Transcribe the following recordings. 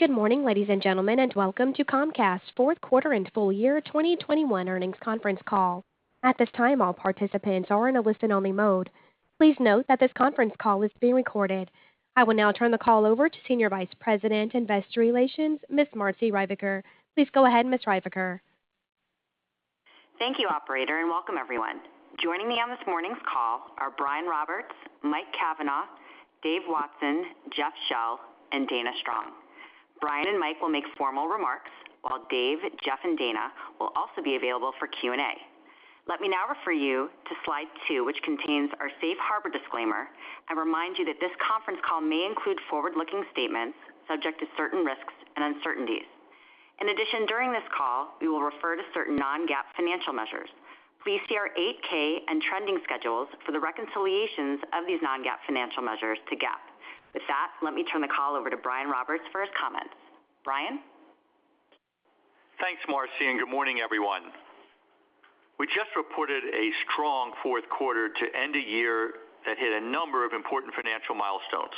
Good morning, ladies and gentlemen, and welcome to Comcast's fourth quarter and full year 2021 earnings conference call. At this time, all participants are in a listen-only mode. Please note that this conference call is being recorded. I will now turn the call over to Senior Vice President, Investor Relations, Ms. Marci Ryvicker. Please go ahead, Ms. Marci Ryvicker. Thank you, operator, and welcome everyone. Joining me on this morning's call are Brian Roberts, Mike Cavanagh, Dave Watson, Jeff Shell, and Dana Strong. Brian and Mike will make formal remarks while Dave, Jeff, and Dana will also be available for Q&A. Let me now refer you to slide two, which contains our safe harbor disclaimer and remind you that this conference call may include forward-looking statements subject to certain risks and uncertainties. In addition, during this call, we will refer to certain non-GAAP financial measures. Please see our 8-K and trending schedules for the reconciliations of these non-GAAP financial measures to GAAP. With that, let me turn the call over to Brian Roberts for his comments. Brian. Thanks, Marci, and good morning, everyone. We just reported a strong fourth quarter to end a year that hit a number of important financial milestones.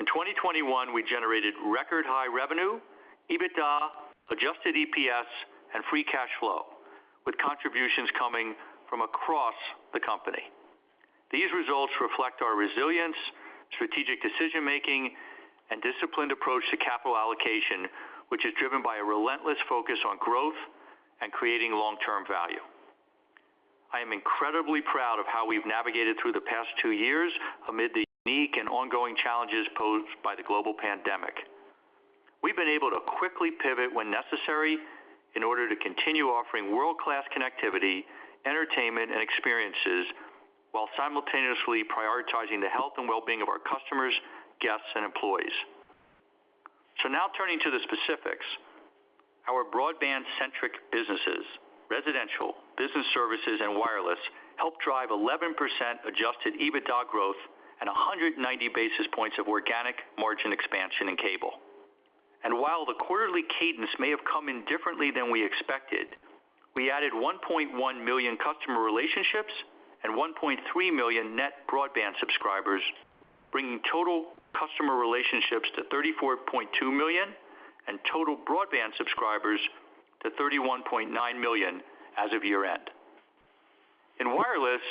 In 2021, we generated record high revenue, EBITDA, adjusted EPS, and free cash flow, with contributions coming from across the company. These results reflect our resilience, strategic decision making, and disciplined approach to capital allocation, which is driven by a relentless focus on growth and creating long-term value. I am incredibly proud of how we've navigated through the past two years amid the unique and ongoing challenges posed by the global pandemic. We've been able to quickly pivot when necessary in order to continue offering world-class connectivity, entertainment, and experiences while simultaneously prioritizing the health and wellbeing of our customers, guests, and employees. Now turning to the specifics, our broadband centric businesses, residential, business services, and wireless helped drive 11% adjusted EBITDA growth and 190 basis points of organic margin expansion in cable. While the quarterly cadence may have come in differently than we expected, we added 1.1 million customer relationships and 1.3 million net broadband subscribers, bringing total customer relationships to 34.2 million and total broadband subscribers to 31.9 million as of year-end. In wireless,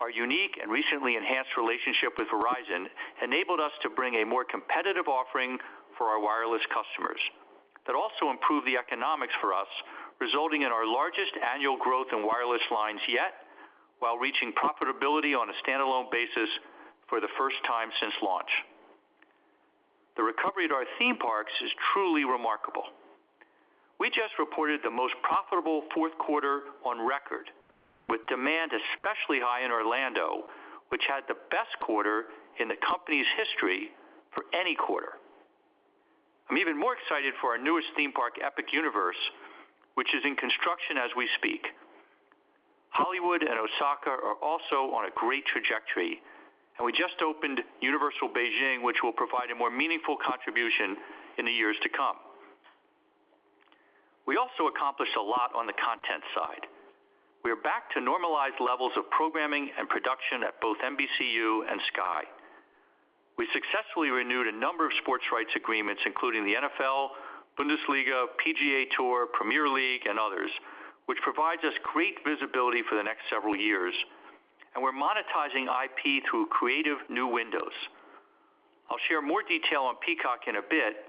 our unique and recently enhanced relationship with Verizon enabled us to bring a more competitive offering for our wireless customers that also improved the economics for us, resulting in our largest annual growth in wireless lines yet, while reaching profitability on a standalone basis for the first time since launch. The recovery at our theme parks is truly remarkable. We just reported the most profitable fourth quarter on record, with demand especially high in Orlando, which had the best quarter in the company's history for any quarter. I'm even more excited for our newest theme park, Epic Universe, which is in construction as we speak. Hollywood and Osaka are also on a great trajectory, and we just opened Universal Beijing, which will provide a more meaningful contribution in the years to come. We also accomplished a lot on the content side. We are back to normalized levels of programming and production at both NBCU and Sky. We successfully renewed a number of sports rights agreements, including the NFL, Bundesliga, PGA Tour, Premier League, and others, which provides us great visibility for the next several years. We're monetizing IP through creative new windows. I'll share more detail on Peacock in a bit,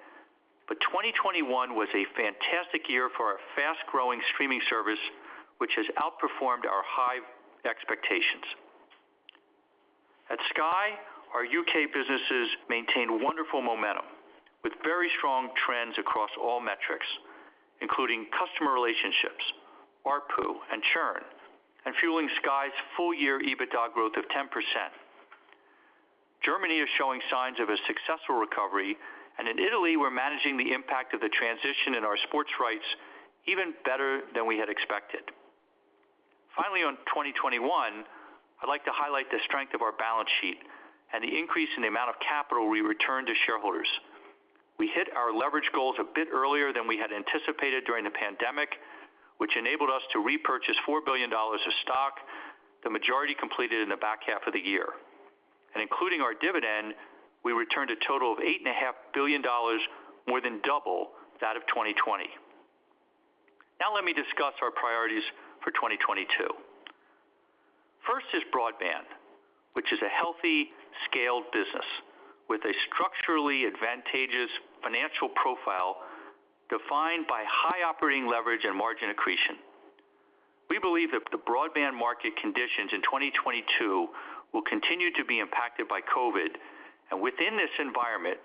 but 2021 was a fantastic year for our fast-growing streaming service, which has outperformed our high expectations. At Sky, our U.K. businesses maintained wonderful momentum with very strong trends across all metrics, including customer relationships, ARPU, and churn, and fueling Sky's full year EBITDA growth of 10%. Germany is showing signs of a successful recovery, and in Italy, we're managing the impact of the transition in our sports rights even better than we had expected. Finally, on 2021, I'd like to highlight the strength of our balance sheet and the increase in the amount of capital we returned to shareholders. We hit our leverage goals a bit earlier than we had anticipated during the pandemic, which enabled us to repurchase $4 billion of stock, the majority completed in the back half of the year. Including our dividend, we returned a total of $8.5 billion, more than double that of 2020. Now let me discuss our priorities for 2022. First is broadband, which is a healthy scaled business with a structurally advantageous financial profile defined by high operating leverage and margin accretion. We believe that the broadband market conditions in 2022 will continue to be impacted by COVID-19, and within this environment,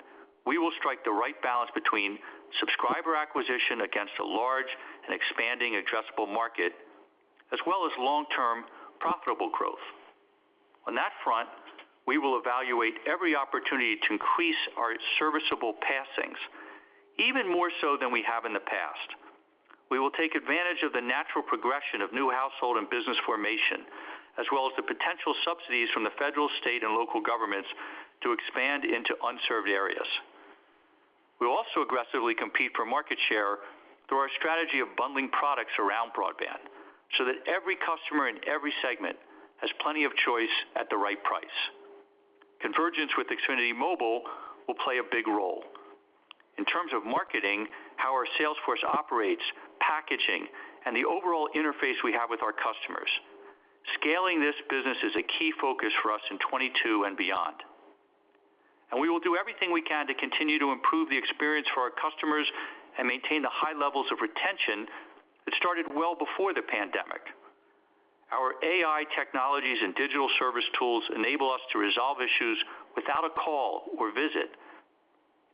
we will strike the right balance between subscriber acquisition against a large and expanding addressable market, as well as long-term profitable growth. On that front, we will evaluate every opportunity to increase our serviceable passings even more so than we have in the past. We will take advantage of the natural progression of new household and business formation, as well as the potential subsidies from the federal, state, and local governments to expand into unserved areas. We'll also aggressively compete for market share. Through our strategy of bundling products around broadband, so that every customer in every segment has plenty of choice at the right price. Convergence with Xfinity Mobile will play a big role in terms of marketing, how our sales force operates, packaging, and the overall interface we have with our customers. Scaling this business is a key focus for us in 2022 and beyond. We will do everything we can to continue to improve the experience for our customers and maintain the high levels of retention that started well before the pandemic. Our AI technologies and digital service tools enable us to resolve issues without a call or visit.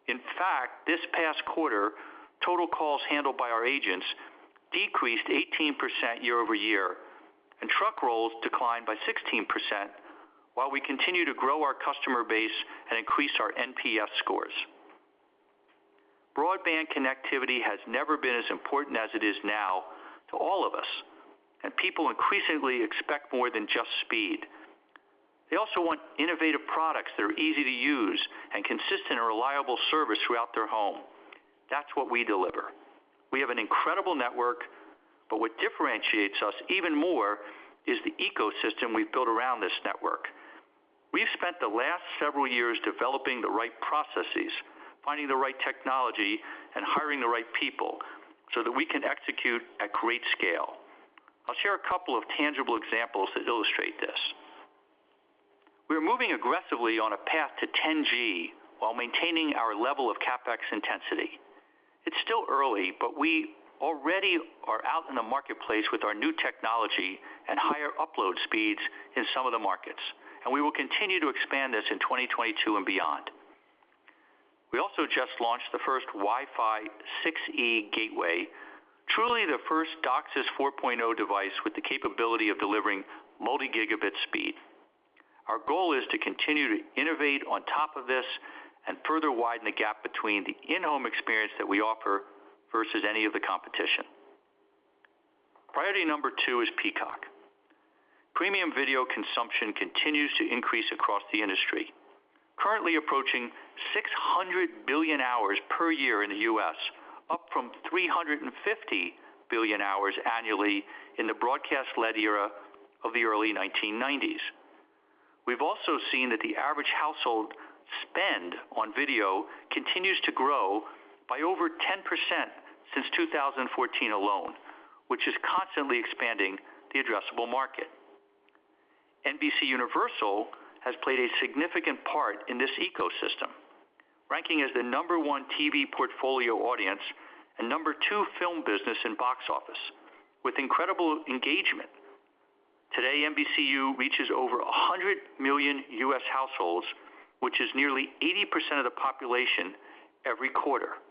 In fact, this past quarter, total calls handled by our agents decreased 18% year-over-year, and truck rolls declined by 16% while we continue to grow our customer base and increase our NPS scores. Broadband connectivity has never been as important as it is now to all of us, and people increasingly expect more than just speed. They also want innovative products that are easy to use and consistent and reliable service throughout their home. That's what we deliver. We have an incredible network, but what differentiates us even more is the ecosystem we've built around this network. We've spent the last several years developing the right processes, finding the right technology, and hiring the right people so that we can execute at great scale. I'll share a couple of tangible examples that illustrate this. We are moving aggressively on a path to 10G while maintaining our level of CapEx intensity. It's still early, but we already are out in the marketplace with our new technology and higher upload speeds in some of the markets, and we will continue to expand this in 2022 and beyond. We also just launched the first Wi-Fi 6E gateway, truly the first DOCSIS 4.0 device with the capability of delivering multi-gigabit speed. Our goal is to continue to innovate on top of this and further widen the gap between the in-home experience that we offer versus any of the competition. Priority number two is Peacock. Premium video consumption continues to increase across the industry, currently approaching 600 billion hours per year in the U.S., up from 350 billion hours annually in the broadcast-led era of the early 1990s. We've also seen that the average household spend on video continues to grow by over 10% since 2014 alone, which is constantly expanding the addressable market. NBCUniversal has played a significant part in this ecosystem, ranking as the number one TV portfolio audience and number two film business in box office with incredible engagement. Today, NBCU reaches over 100 million U.S. households, which is nearly 80% of the population every quarter.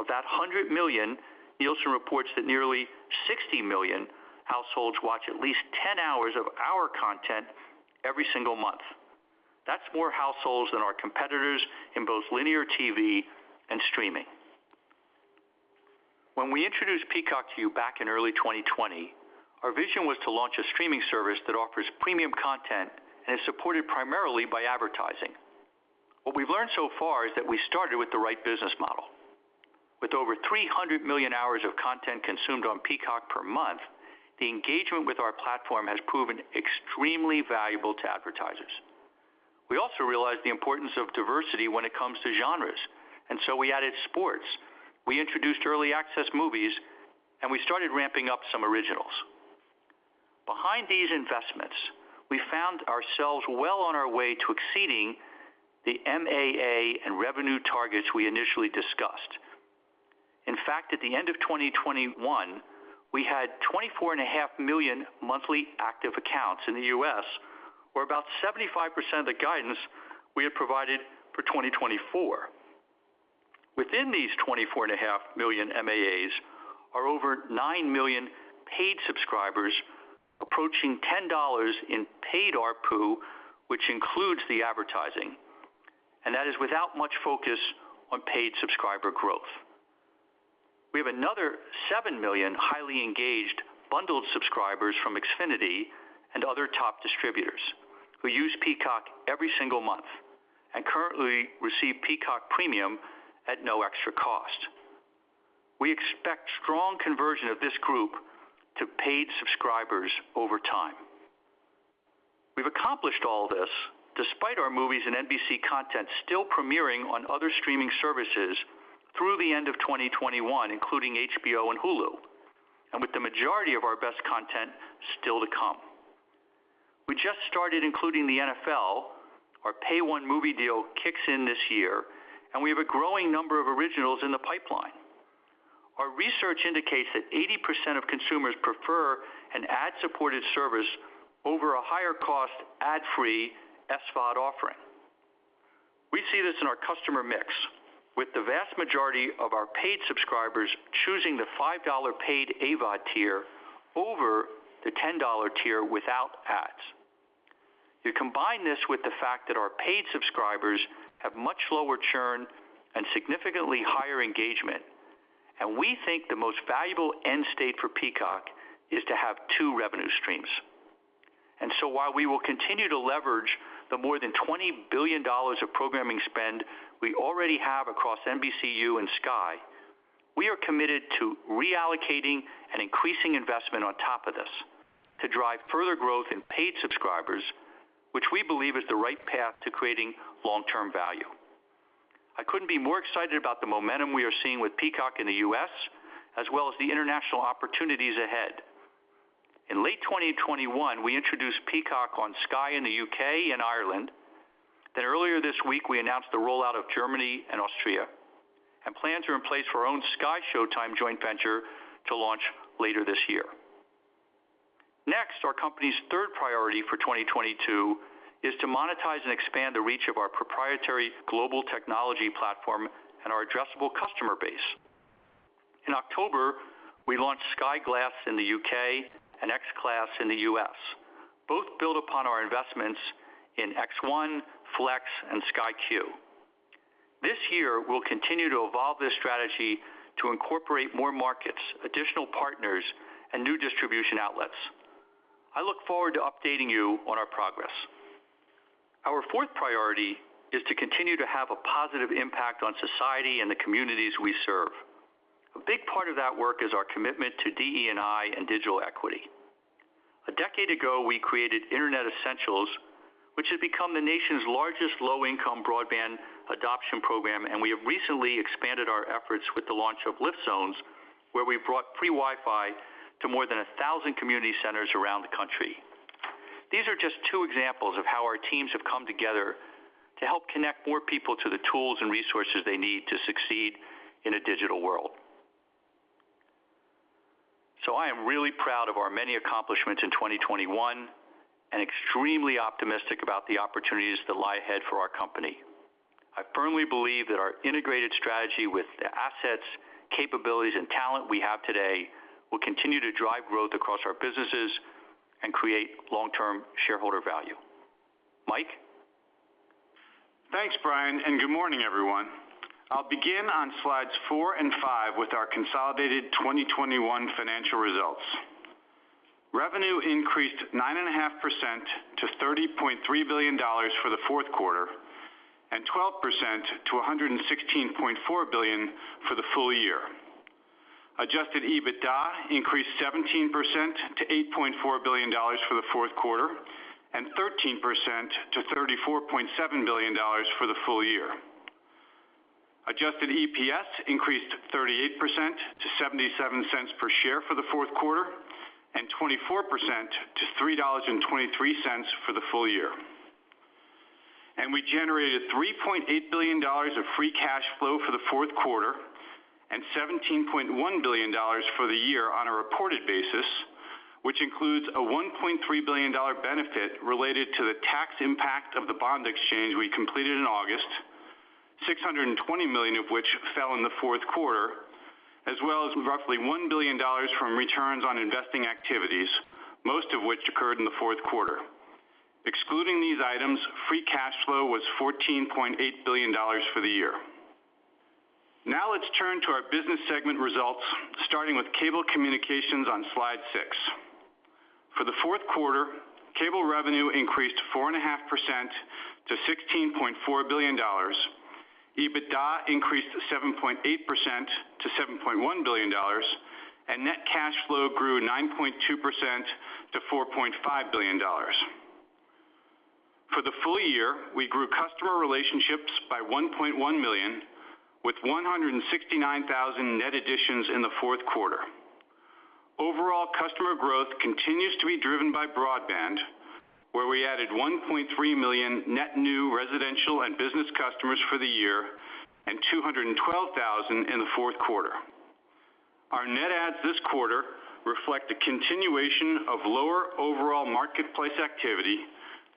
Of that 100 million, Nielsen reports that nearly 60 million households watch at least 10 hours of our content every single month. That's more households than our competitors in both linear TV and streaming. When we introduced Peacock to you back in early 2020, our vision was to launch a streaming service that offers premium content and is supported primarily by advertising. What we've learned so far is that we started with the right business model. With over 300 million hours of content consumed on Peacock per month, the engagement with our platform has proven extremely valuable to advertisers. We also realized the importance of diversity when it comes to genres, and so we added sports. We introduced early access movies, and we started ramping up some originals. Behind these investments, we found ourselves well on our way to exceeding the MAA and revenue targets we initially discussed. In fact, at the end of 2021, we had 24.5 million monthly active accounts in the U.S., or about 75% of the guidance we had provided for 2024. Within these 24.5 million MAAs are over 9 million paid subscribers approaching $10 in paid ARPU, which includes the advertising, and that is without much focus on paid subscriber growth. We have another 7 million highly engaged bundled subscribers from Xfinity and other top distributors who use Peacock every single month and currently receive Peacock Premium at no extra cost. We expect strong conversion of this group to paid subscribers over time. We've accomplished all this despite our movies and NBC content still premiering on other streaming services through the end of 2021, including HBO and Hulu, and with the majority of our best content still to come. We just started including the NFL, our Pay One movie deal kicks in this year, and we have a growing number of originals in the pipeline. Our research indicates that 80% of consumers prefer an ad-supported service over a higher cost ad-free SVOD offering. We see this in our customer mix with the vast majority of our paid subscribers choosing the $5 paid AVOD tier over the $10 tier without ads. You combine this with the fact that our paid subscribers have much lower churn and significantly higher engagement, and we think the most valuable end state for Peacock is to have two revenue streams. While we will continue to leverage the more than $20 billion of programming spend we already have across NBCU and Sky, we are committed to reallocating and increasing investment on top of this to drive further growth in paid subscribers, which we believe is the right path to creating long-term value. I couldn't be more excited about the momentum we are seeing with Peacock in the U.S. as well as the international opportunities ahead. In late 2021, we introduced Peacock on Sky in the U.K. and Ireland. Earlier this week, we announced the rollout of Germany and Austria, and plans are in place for our own SkyShowtime joint venture to launch later this year. Next, our company's third priority for 2022 is to monetize and expand the reach of our proprietary global technology platform and our addressable customer base. In October, we launched Sky Glass in the U.K. and XClass in the U.S. Both build upon our investments in X1, Flex and Sky Q. This year, we'll continue to evolve this strategy to incorporate more markets, additional partners, and new distribution outlets. I look forward to updating you on our progress. Our fourth priority is to continue to have a positive impact on society and the communities we serve. A big part of that work is our commitment to DE&I and digital equity. A decade ago, we created Internet Essentials, which has become the nation's largest low-income broadband adoption program, and we have recently expanded our efforts with the launch of Lift Zones, where we've brought free Wi-Fi to more than 1,000 community centers around the country. These are just two examples of how our teams have come together to help connect more people to the tools and resources they need to succeed in a digital world. I am really proud of our many accomplishments in 2021 and extremely optimistic about the opportunities that lie ahead for our company. I firmly believe that our integrated strategy with the assets, capabilities, and talent we have today will continue to drive growth across our businesses and create long-term shareholder value. Mike? Thanks, Brian, and good morning everyone. I'll begin on slides 4 and 5 with our consolidated 2021 financial results. Revenue increased 9.5% to $30.3 billion for the fourth quarter and 12% to $116.4 billion for the full year. Adjusted EBITDA increased 17% to $8.4 billion for the fourth quarter and 13% to $34.7 billion for the full year. Adjusted EPS increased 38% to $0.77 per share for the fourth quarter and 24% to $3.23 for the full year. We generated $3.8 billion of free cash flow for the fourth quarter and $17.1 billion for the year on a reported basis, which includes a $1.3 billion benefit related to the tax impact of the bond exchange we completed in August, $620 million of which fell in the fourth quarter, as well as roughly $1 billion from returns on investing activities, most of which occurred in the fourth quarter. Excluding these items, free cash flow was $14.8 billion for the year. Now let's turn to our business segment results, starting with Cable Communications on slide 6. For the fourth quarter, Cable revenue increased 4.5% to $16.4 billion. EBITDA increased 7.8% to $7.1 billion, and net cash flow grew 9.2% to $4.5 billion. For the full year, we grew customer relationships by 1.1 million, with 169,000 net additions in the fourth quarter. Overall customer growth continues to be driven by broadband, where we added 1.3 million net new residential and business customers for the year and 212,000 in the fourth quarter. Our net adds this quarter reflect the continuation of lower overall marketplace activity,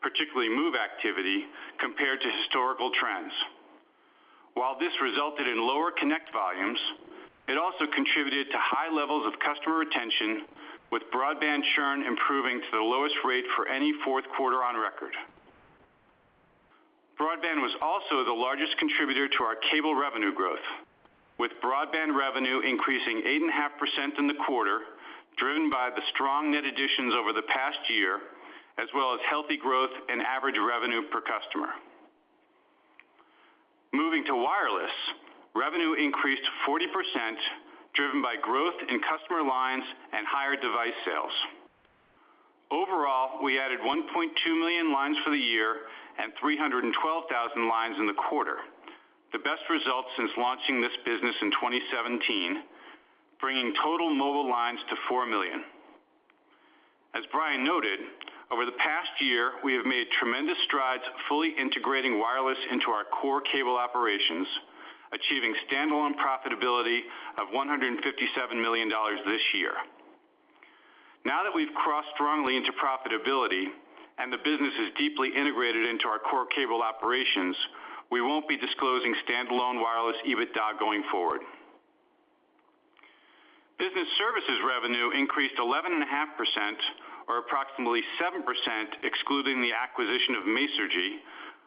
particularly move activity, compared to historical trends. While this resulted in lower connect volumes, it also contributed to high levels of customer retention, with broadband churn improving to the lowest rate for any fourth quarter on record. Broadband was also the largest contributor to our cable revenue growth, with broadband revenue increasing 8.5% in the quarter, driven by the strong net additions over the past year as well as healthy growth and average revenue per customer. Moving to wireless, revenue increased 40%, driven by growth in customer lines and higher device sales. Overall, we added 1.2 million lines for the year and 312,000 lines in the quarter, the best result since launching this business in 2017, bringing total mobile lines to 4 million. As Brian noted, over the past year, we have made tremendous strides fully integrating wireless into our core cable operations, achieving standalone profitability of $157 million this year. Now that we've crossed strongly into profitability and the business is deeply integrated into our core cable operations, we won't be disclosing standalone wireless EBITDA going forward. Business services revenue increased 11.5% or approximately 7% excluding the acquisition of Masergy,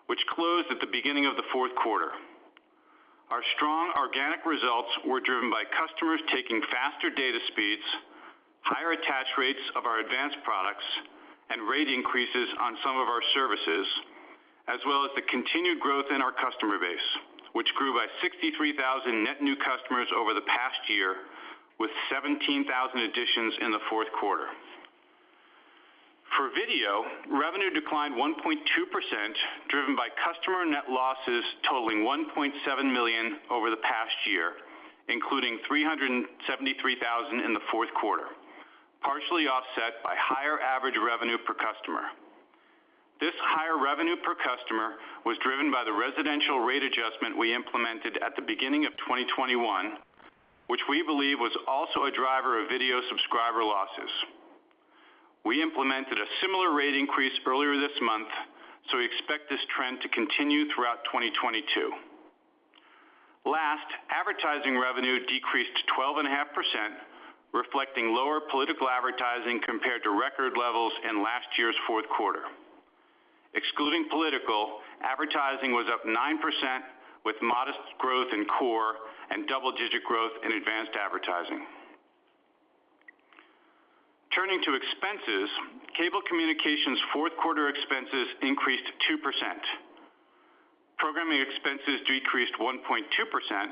which closed at the beginning of the fourth quarter. Our strong organic results were driven by customers taking faster data speeds, higher attach rates of our advanced products, and rate increases on some of our services, as well as the continued growth in our customer base, which grew by 63,000 net new customers over the past year, with 17,000 additions in the fourth quarter. For video, revenue declined 1.2% driven by customer net losses totaling 1.7 million over the past year, including 373,000 in the fourth quarter, partially offset by higher average revenue per customer. This higher revenue per customer was driven by the residential rate adjustment we implemented at the beginning of 2021, which we believe was also a driver of video subscriber losses. We implemented a similar rate increase earlier this month, so we expect this trend to continue throughout 2022. Last, advertising revenue decreased 12.5%, reflecting lower political advertising compared to record levels in last year's fourth quarter. Excluding political, advertising was up 9% with modest growth in core and double-digit growth in advanced advertising. Turning to expenses, Cable Communications fourth quarter expenses increased 2%. Programming expenses decreased 1.2%,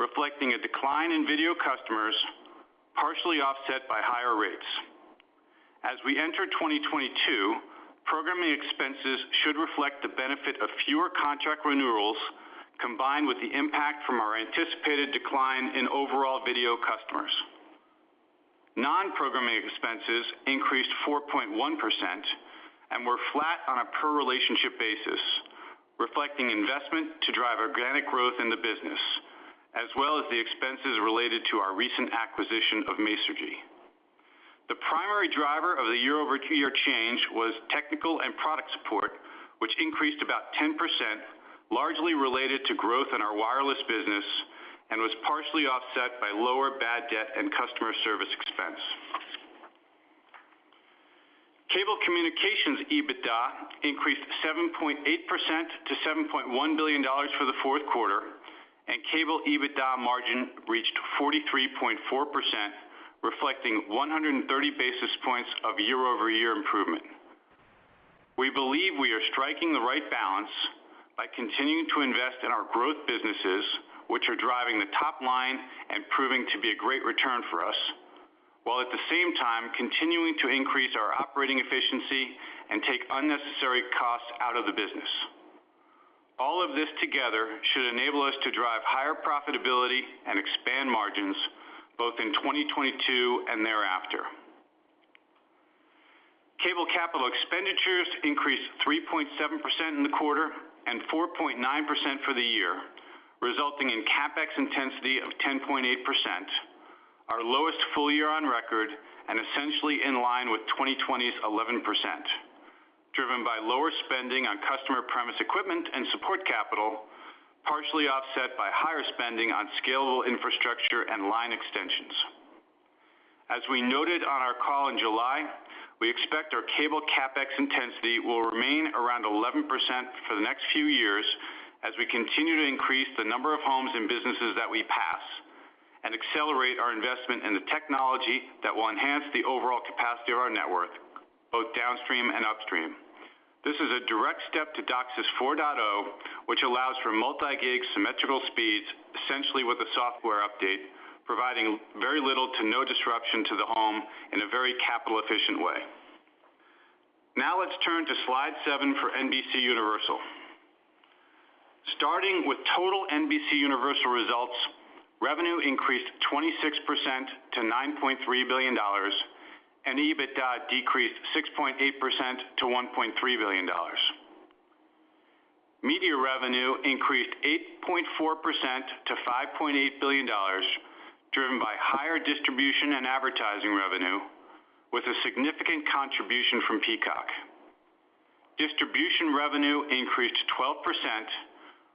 reflecting a decline in video customers, partially offset by higher rates. As we enter 2022, programming expenses should reflect the benefit of fewer contract renewals combined with the impact from our anticipated decline in overall video customers. Non-programming expenses increased 4.1% and were flat on a per relationship basis, reflecting investment to drive organic growth in the business, as well as the expenses related to our recent acquisition of Masergy. The primary driver of the year-over-year change was technical and product support, which increased about 10%, largely related to growth in our wireless business and was partially offset by lower bad debt and customer service expense. Cable Communications EBITDA increased 7.8% to $7.1 billion for the fourth quarter, and Cable EBITDA margin reached 43.4%, reflecting 130 basis points of year-over-year improvement. We believe we are striking the right balance by continuing to invest in our growth businesses, which are driving the top line and proving to be a great return for us, while at the same time continuing to increase our operating efficiency and take unnecessary costs out of the business. All of this together should enable us to drive higher profitability and expand margins both in 2022 and thereafter. Cable capital expenditures increased 3.7% in the quarter and 4.9% for the year, resulting in CapEx intensity of 10.8%, our lowest full year on record and essentially in line with 2020's 11%, driven by lower spending on customer premise equipment and support capital, partially offset by higher spending on scalable infrastructure and line extensions. As we noted on our call in July, we expect our Cable CapEx intensity will remain around 11% for the next few years as we continue to increase the number of homes and businesses that we pass and accelerate our investment in the technology that will enhance the overall capacity of our network, both downstream and upstream. This is a direct step to DOCSIS 4.0, which allows for multi-gig symmetrical speeds, essentially with a software update, providing very little to no disruption to the home in a very capital efficient way. Now let's turn to slide seven for NBCUniversal. Starting with total NBCUniversal results, revenue increased 26% to $9.3 billion, and EBITDA decreased 6.8% to $1.3 billion. Media revenue increased 8.4% to $5.8 billion, driven by higher distribution and advertising revenue with a significant contribution from Peacock. Distribution revenue increased 12%,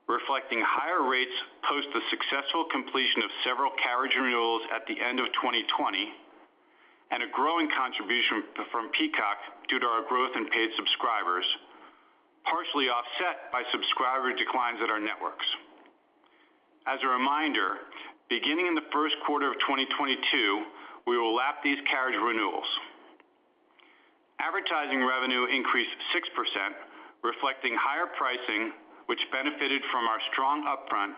reflecting higher rates post the successful completion of several carriage renewals at the end of 2020 and a growing contribution from Peacock due to our growth in paid subscribers, partially offset by subscriber declines at our networks. As a reminder, beginning in the first quarter of 2022, we will lap these carriage renewals. Advertising revenue increased 6%, reflecting higher pricing which benefited from our strong upfront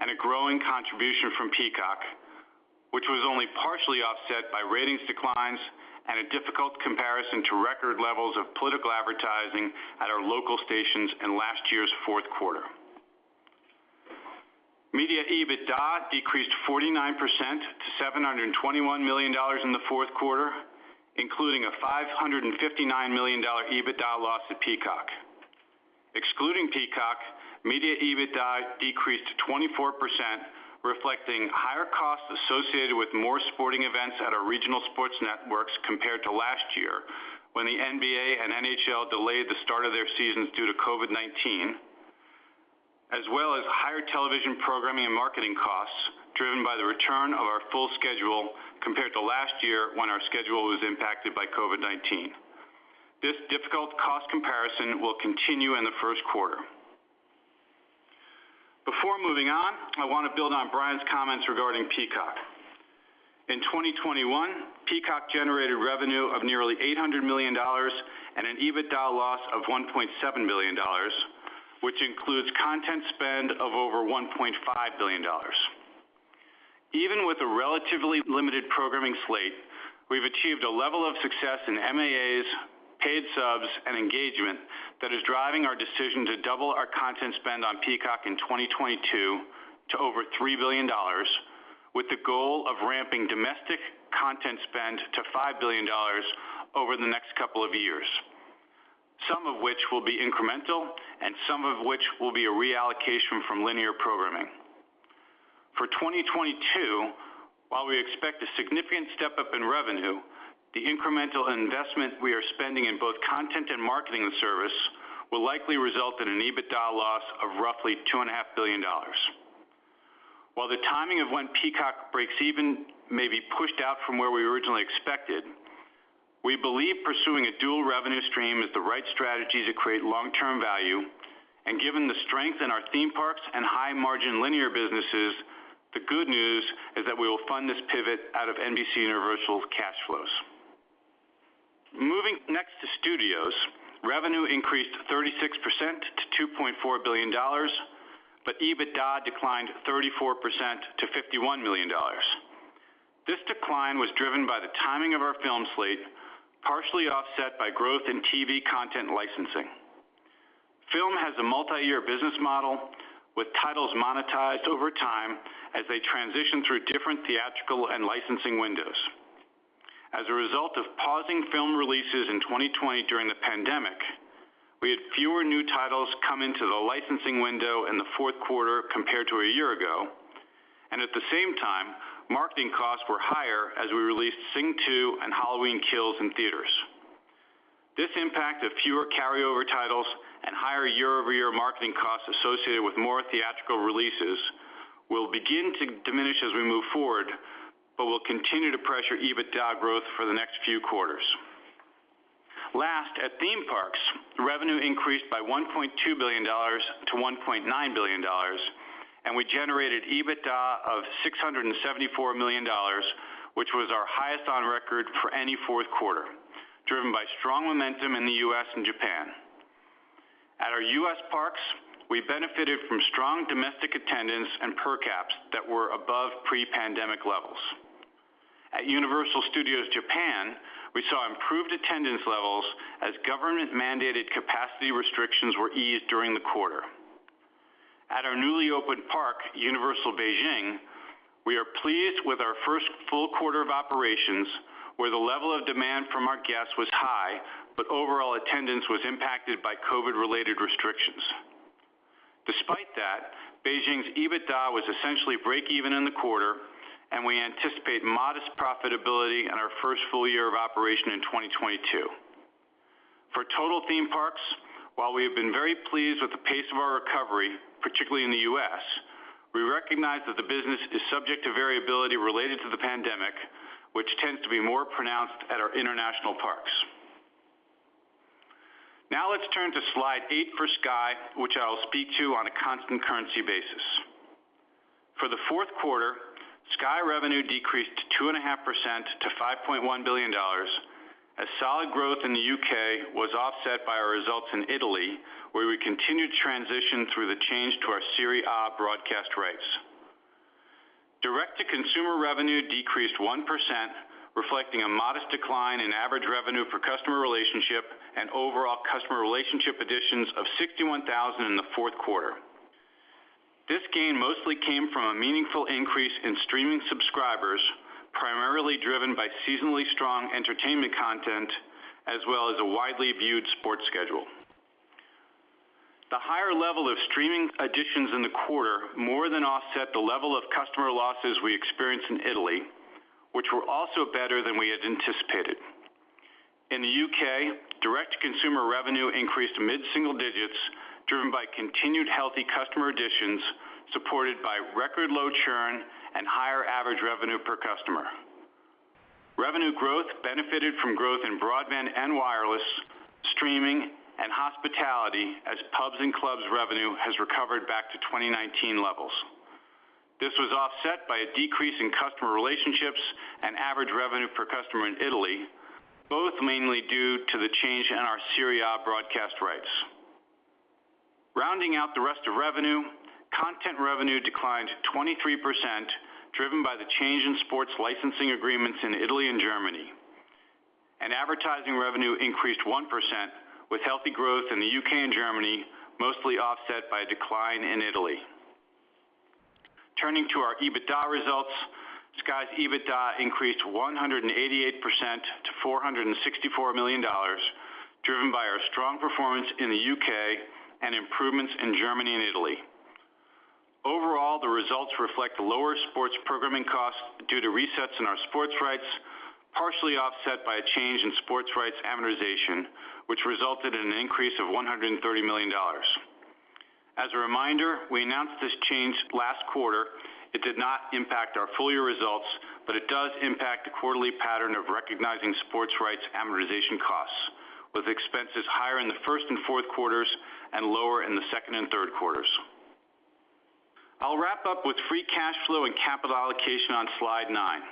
and a growing contribution from Peacock, which was only partially offset by ratings declines and a difficult comparison to record levels of political advertising at our local stations in last year's fourth quarter. Media EBITDA decreased 49% to $721 million in the fourth quarter, including a $559 million EBITDA loss at Peacock. Excluding Peacock, media EBITDA decreased 24%, reflecting higher costs associated with more sporting events at our regional sports networks compared to last year when the NBA and NHL delayed the start of their seasons due to COVID-19, as well as higher television programming and marketing costs driven by the return of our full schedule compared to last year when our schedule was impacted by COVID-19. This difficult cost comparison will continue in the first quarter. Before moving on, I want to build on Brian's comments regarding Peacock. In 2021, Peacock generated revenue of nearly $800 million and an EBITDA loss of $1.7 billion, which includes content spend of over $1.5 billion. Even with a relatively limited programming slate, we've achieved a level of success in MAAs, paid subs, and engagement that is driving our decision to double our content spend on Peacock in 2022 to over $3 billion, with the goal of ramping domestic content spend to $5 billion over the next couple of years, some of which will be incremental and some of which will be a reallocation from linear programming. For 2022, while we expect a significant step-up in revenue, the incremental investment we are spending in both content and marketing the service will likely result in an EBITDA loss of roughly $2.5 billion. While the timing of when Peacock breaks even may be pushed out from where we originally expected, we believe pursuing a dual revenue stream is the right strategy to create long-term value. Given the strength in our theme parks and high-margin linear businesses, the good news is that we will fund this pivot out of NBCUniversal's cash flows. Moving next to Studios, revenue increased 36% to $2.4 billion, but EBITDA declined 34% to $51 million. This decline was driven by the timing of our film slate, partially offset by growth in TV content licensing. Film has a multi-year business model with titles monetized over time as they transition through different theatrical and licensing windows. As a result of pausing film releases in 2020 during the pandemic, we had fewer new titles come into the licensing window in the fourth quarter compared to a year ago, and at the same time, marketing costs were higher as we released Sing 2 and Halloween Kills in theaters. This impact of fewer carryover titles and higher year-over-year marketing costs associated with more theatrical releases will begin to diminish as we move forward, but will continue to pressure EBITDA growth for the next few quarters. Last, at Theme Parks, revenue increased by $1.2 billion to $1.9 billion, and we generated EBITDA of $674 million, which was our highest on record for any fourth quarter, driven by strong momentum in the U.S. and Japan. At our U.S. parks, we benefited from strong domestic attendance and per caps that were above pre-pandemic levels. At Universal Studios Japan, we saw improved attendance levels as government-mandated capacity restrictions were eased during the quarter. At our newly opened park, Universal Beijing, we are pleased with our first full quarter of operations, where the level of demand from our guests was high, but overall attendance was impacted by COVID-related restrictions. Despite that, Beijing's EBITDA was essentially break even in the quarter, and we anticipate modest profitability in our first full year of operation in 2022. For total theme parks, while we have been very pleased with the pace of our recovery, particularly in the U.S., we recognize that the business is subject to variability related to the pandemic, which tends to be more pronounced at our international parks. Now let's turn to slide 8 for Sky, which I will speak to on a constant currency basis. For the fourth quarter, Sky revenue decreased 2.5% to $5.1 billion as solid growth in the U.K. was offset by our results in Italy, where we continued to transition through the change to our Serie A broadcast rights. Direct-to-consumer revenue decreased 1%, reflecting a modest decline in average revenue per customer relationship and overall customer relationship additions of 61,000 in the fourth quarter. This gain mostly came from a meaningful increase in streaming subscribers, primarily driven by seasonally strong entertainment content as well as a widely viewed sports schedule. The higher level of streaming additions in the quarter more than offset the level of customer losses we experienced in Italy, which were also better than we had anticipated. In the U.K., direct-to-consumer revenue increased mid-single digits, driven by continued healthy customer additions, supported by record low churn and higher average revenue per customer. Revenue growth benefited from growth in broadband and wireless, streaming, and hospitality as pubs and clubs revenue has recovered back to 2019 levels. This was offset by a decrease in customer relationships and average revenue per customer in Italy, both mainly due to the change in our Serie A broadcast rights. Rounding out the rest of revenue, content revenue declined 23%, driven by the change in sports licensing agreements in Italy and Germany. Advertising revenue increased 1% with healthy growth in the U.K. and Germany, mostly offset by a decline in Italy. Turning to our EBITDA results, Sky's EBITDA increased 188% to $464 million, driven by our strong performance in the UK and improvements in Germany and Italy. Overall, the results reflect lower sports programming costs due to resets in our sports rights, partially offset by a change in sports rights amortization, which resulted in an increase of $130 million. As a reminder, we announced this change last quarter. It did not impact our full year results, but it does impact the quarterly pattern of recognizing sports rights amortization costs, with expenses higher in the first and fourth quarters and lower in the second and third quarters. I'll wrap up with free cash flow and capital allocation on slide nine.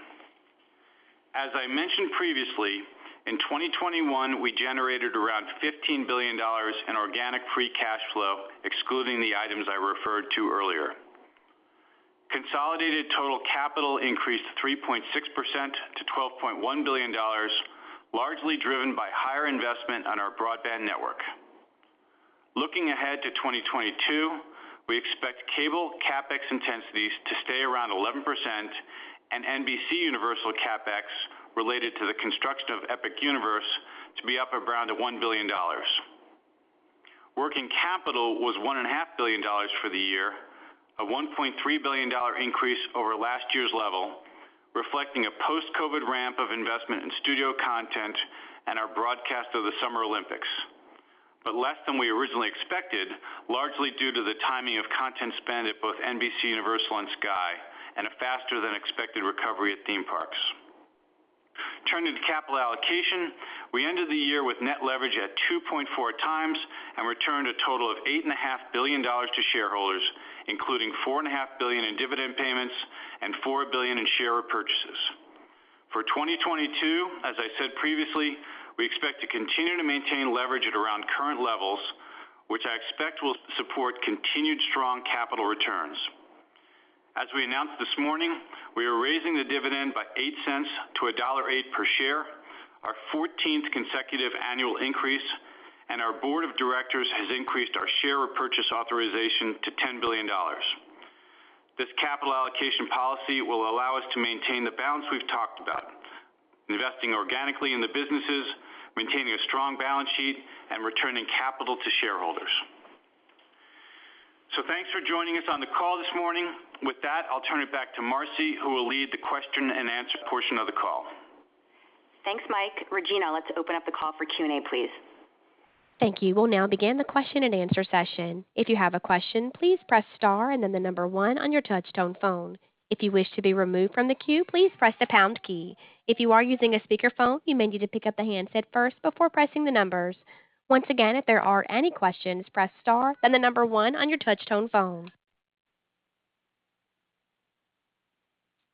As I mentioned previously, in 2021, we generated around $15 billion in organic free cash flow, excluding the items I referred to earlier. Consolidated total capital increased 3.6% to $12.1 billion, largely driven by higher investment on our broadband network. Looking ahead to 2022, we expect cable CapEx intensities to stay around 11% and NBCUniversal CapEx related to the construction of Epic Universe to be up around $1 billion. Working capital was $1.5 billion for the year, a $1.3 billion increase over last year's level, reflecting a post-COVID ramp of investment in studio content and our broadcast of the Summer Olympics, but less than we originally expected, largely due to the timing of content spend at both NBCUniversal and Sky and a faster than expected recovery at theme parks. Turning to capital allocation, we ended the year with net leverage at 2.4x and returned a total of $8.5 billion to shareholders, including $4.5 billion in dividend payments and $4 billion in share repurchases. For 2022, as I said previously, we expect to continue to maintain leverage at around current levels, which I expect will support continued strong capital returns. As we announced this morning, we are raising the dividend by $0.08 To $1.08 per share, our 14th consecutive annual increase, and our Board of Directors has increased our share repurchase authorization to $10 billion. This capital allocation policy will allow us to maintain the balance we've talked about, investing organically in the businesses, maintaining a strong balance sheet and returning capital to shareholders. Thanks for joining us on the call this morning. With that, I'll turn it back to Marci, who will lead the question and answer portion of the call. Thanks, Mike. Regina, let's open up the call for Q&A, please. Thank you. We'll now begin the question and answer session. If you have a question, please press star and then the number one on your touchtone phone. If you wish to be removed from the queue, please press the pound key. If you are using a speakerphone, you may need to pick up the handset first before pressing the numbers. Once again, if there are any questions, press star, then the number one on your touchtone phone.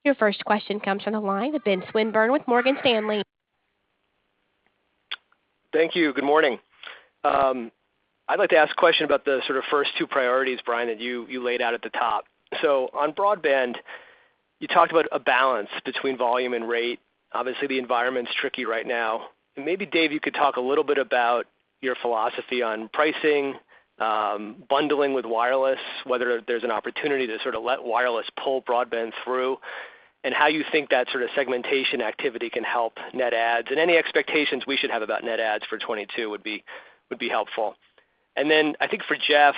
Your first question comes from the line of Ben Swinburne with Morgan Stanley. Thank you. Good morning. I'd like to ask a question about the sort of first two priorities, Brian, that you laid out at the top. On broadband, you talked about a balance between volume and rate. Obviously, the environment's tricky right now. Maybe Dave, you could talk a little bit about your philosophy on pricing, bundling with wireless, whether there's an opportunity to sort of let wireless pull broadband through, and how you think that sort of segmentation activity can help net adds and any expectations we should have about net adds for 2022 would be helpful. Then I think for Jeff,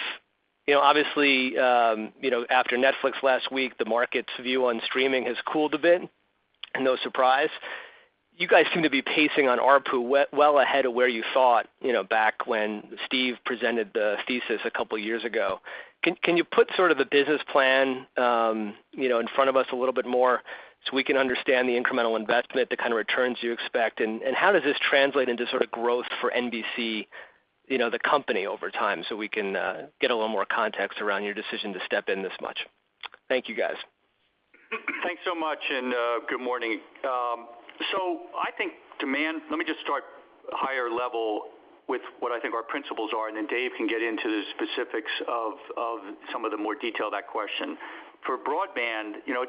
you know, obviously, you know, after Netflix last week, the market's view on streaming has cooled a bit. No surprise. You guys seem to be pacing on ARPU well ahead of where you thought, you know, back when Steve presented the thesis a couple of years ago. Can you put sort of the business plan, you know, in front of us a little bit more so we can understand the incremental investment, the kind of returns you expect, and how does this translate into sort of growth for NBC, you know, the company over time so we can get a little more context around your decision to step in this much? Thank you, guys. Thanks so much, and good morning. I think. Let me just start higher level with what I think our principles are, and then Dave can get into the specifics of some of the more detail of that question. For broadband, you know,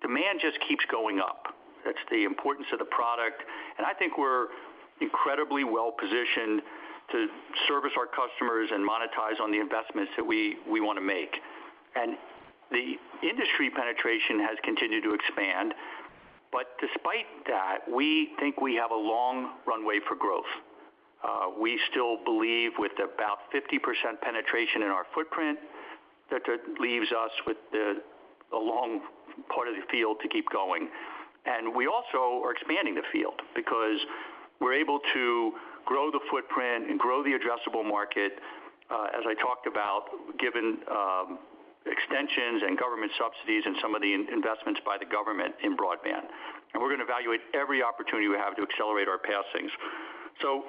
demand keeps going up. That's the importance of the product. I think we're incredibly well-positioned to service our customers and monetize on the investments that we want to make. The industry penetration has continued to expand. Despite that, we think we have a long runway for growth. We still believe with about 50% penetration in our footprint, that leaves us with a long part of the field to keep going. We also are expanding the field because we're able to grow the footprint and grow the addressable market, as I talked about, given extensions and government subsidies and some of the investments by the government in broadband. We're gonna evaluate every opportunity we have to accelerate our passings.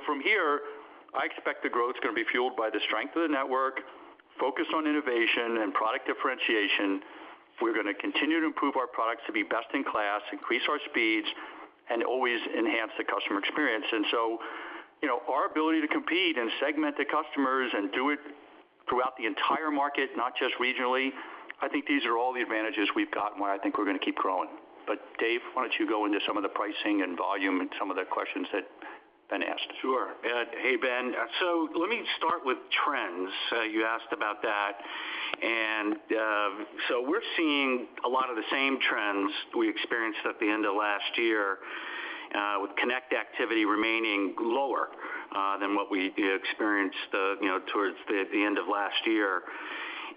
From here, I expect the growth is gonna be fueled by the strength of the network, focus on innovation and product differentiation. We're gonna continue to improve our products to be best in class, increase our speeds, and always enhance the customer experience. You know, our ability to compete and segment the customers and do it throughout the entire market, not just regionally, I think these are all the advantages we've got and why I think we're gonna keep growing. Dave, why don't you go into some of the pricing and volume and some of the questions that Ben asked. Sure. Hey, Ben. Let me start with trends. You asked about that. We're seeing a lot of the same trends we experienced at the end of last year, with connect activity remaining lower than what we experienced, you know, towards the end of last year.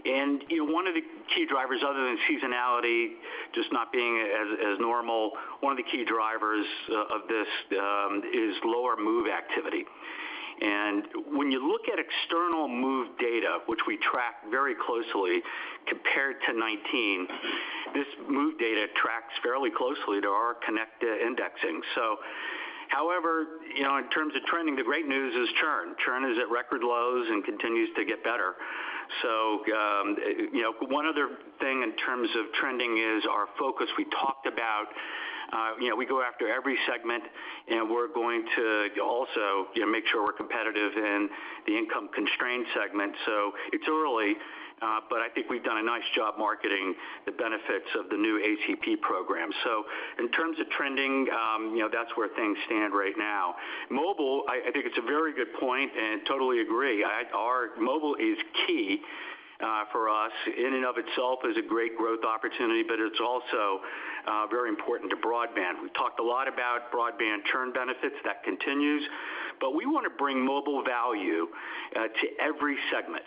You know, one of the key drivers other than seasonality just not being as normal, one of the key drivers of this is lower move activity. When you look at external move data, which we track very closely compared to 2019, this move data tracks fairly closely to our connect indexing. However, you know, in terms of trending, the great news is churn. Churn is at record lows and continues to get better. You know, one other thing in terms of trending is our focus we talked about. You know, we go after every segment, and we're going to also, you know, make sure we're competitive in the income-constrained segment. It's early, but I think we've done a nice job marketing the benefits of the new ACP program. In terms of trending, you know, that's where things stand right now. Mobile, I think it's a very good point and totally agree. Our mobile is key for us in and of itself as a great growth opportunity, but it's also very important to broadband. We talked a lot about broadband churn benefits. That continues. We wanna bring mobile value to every segment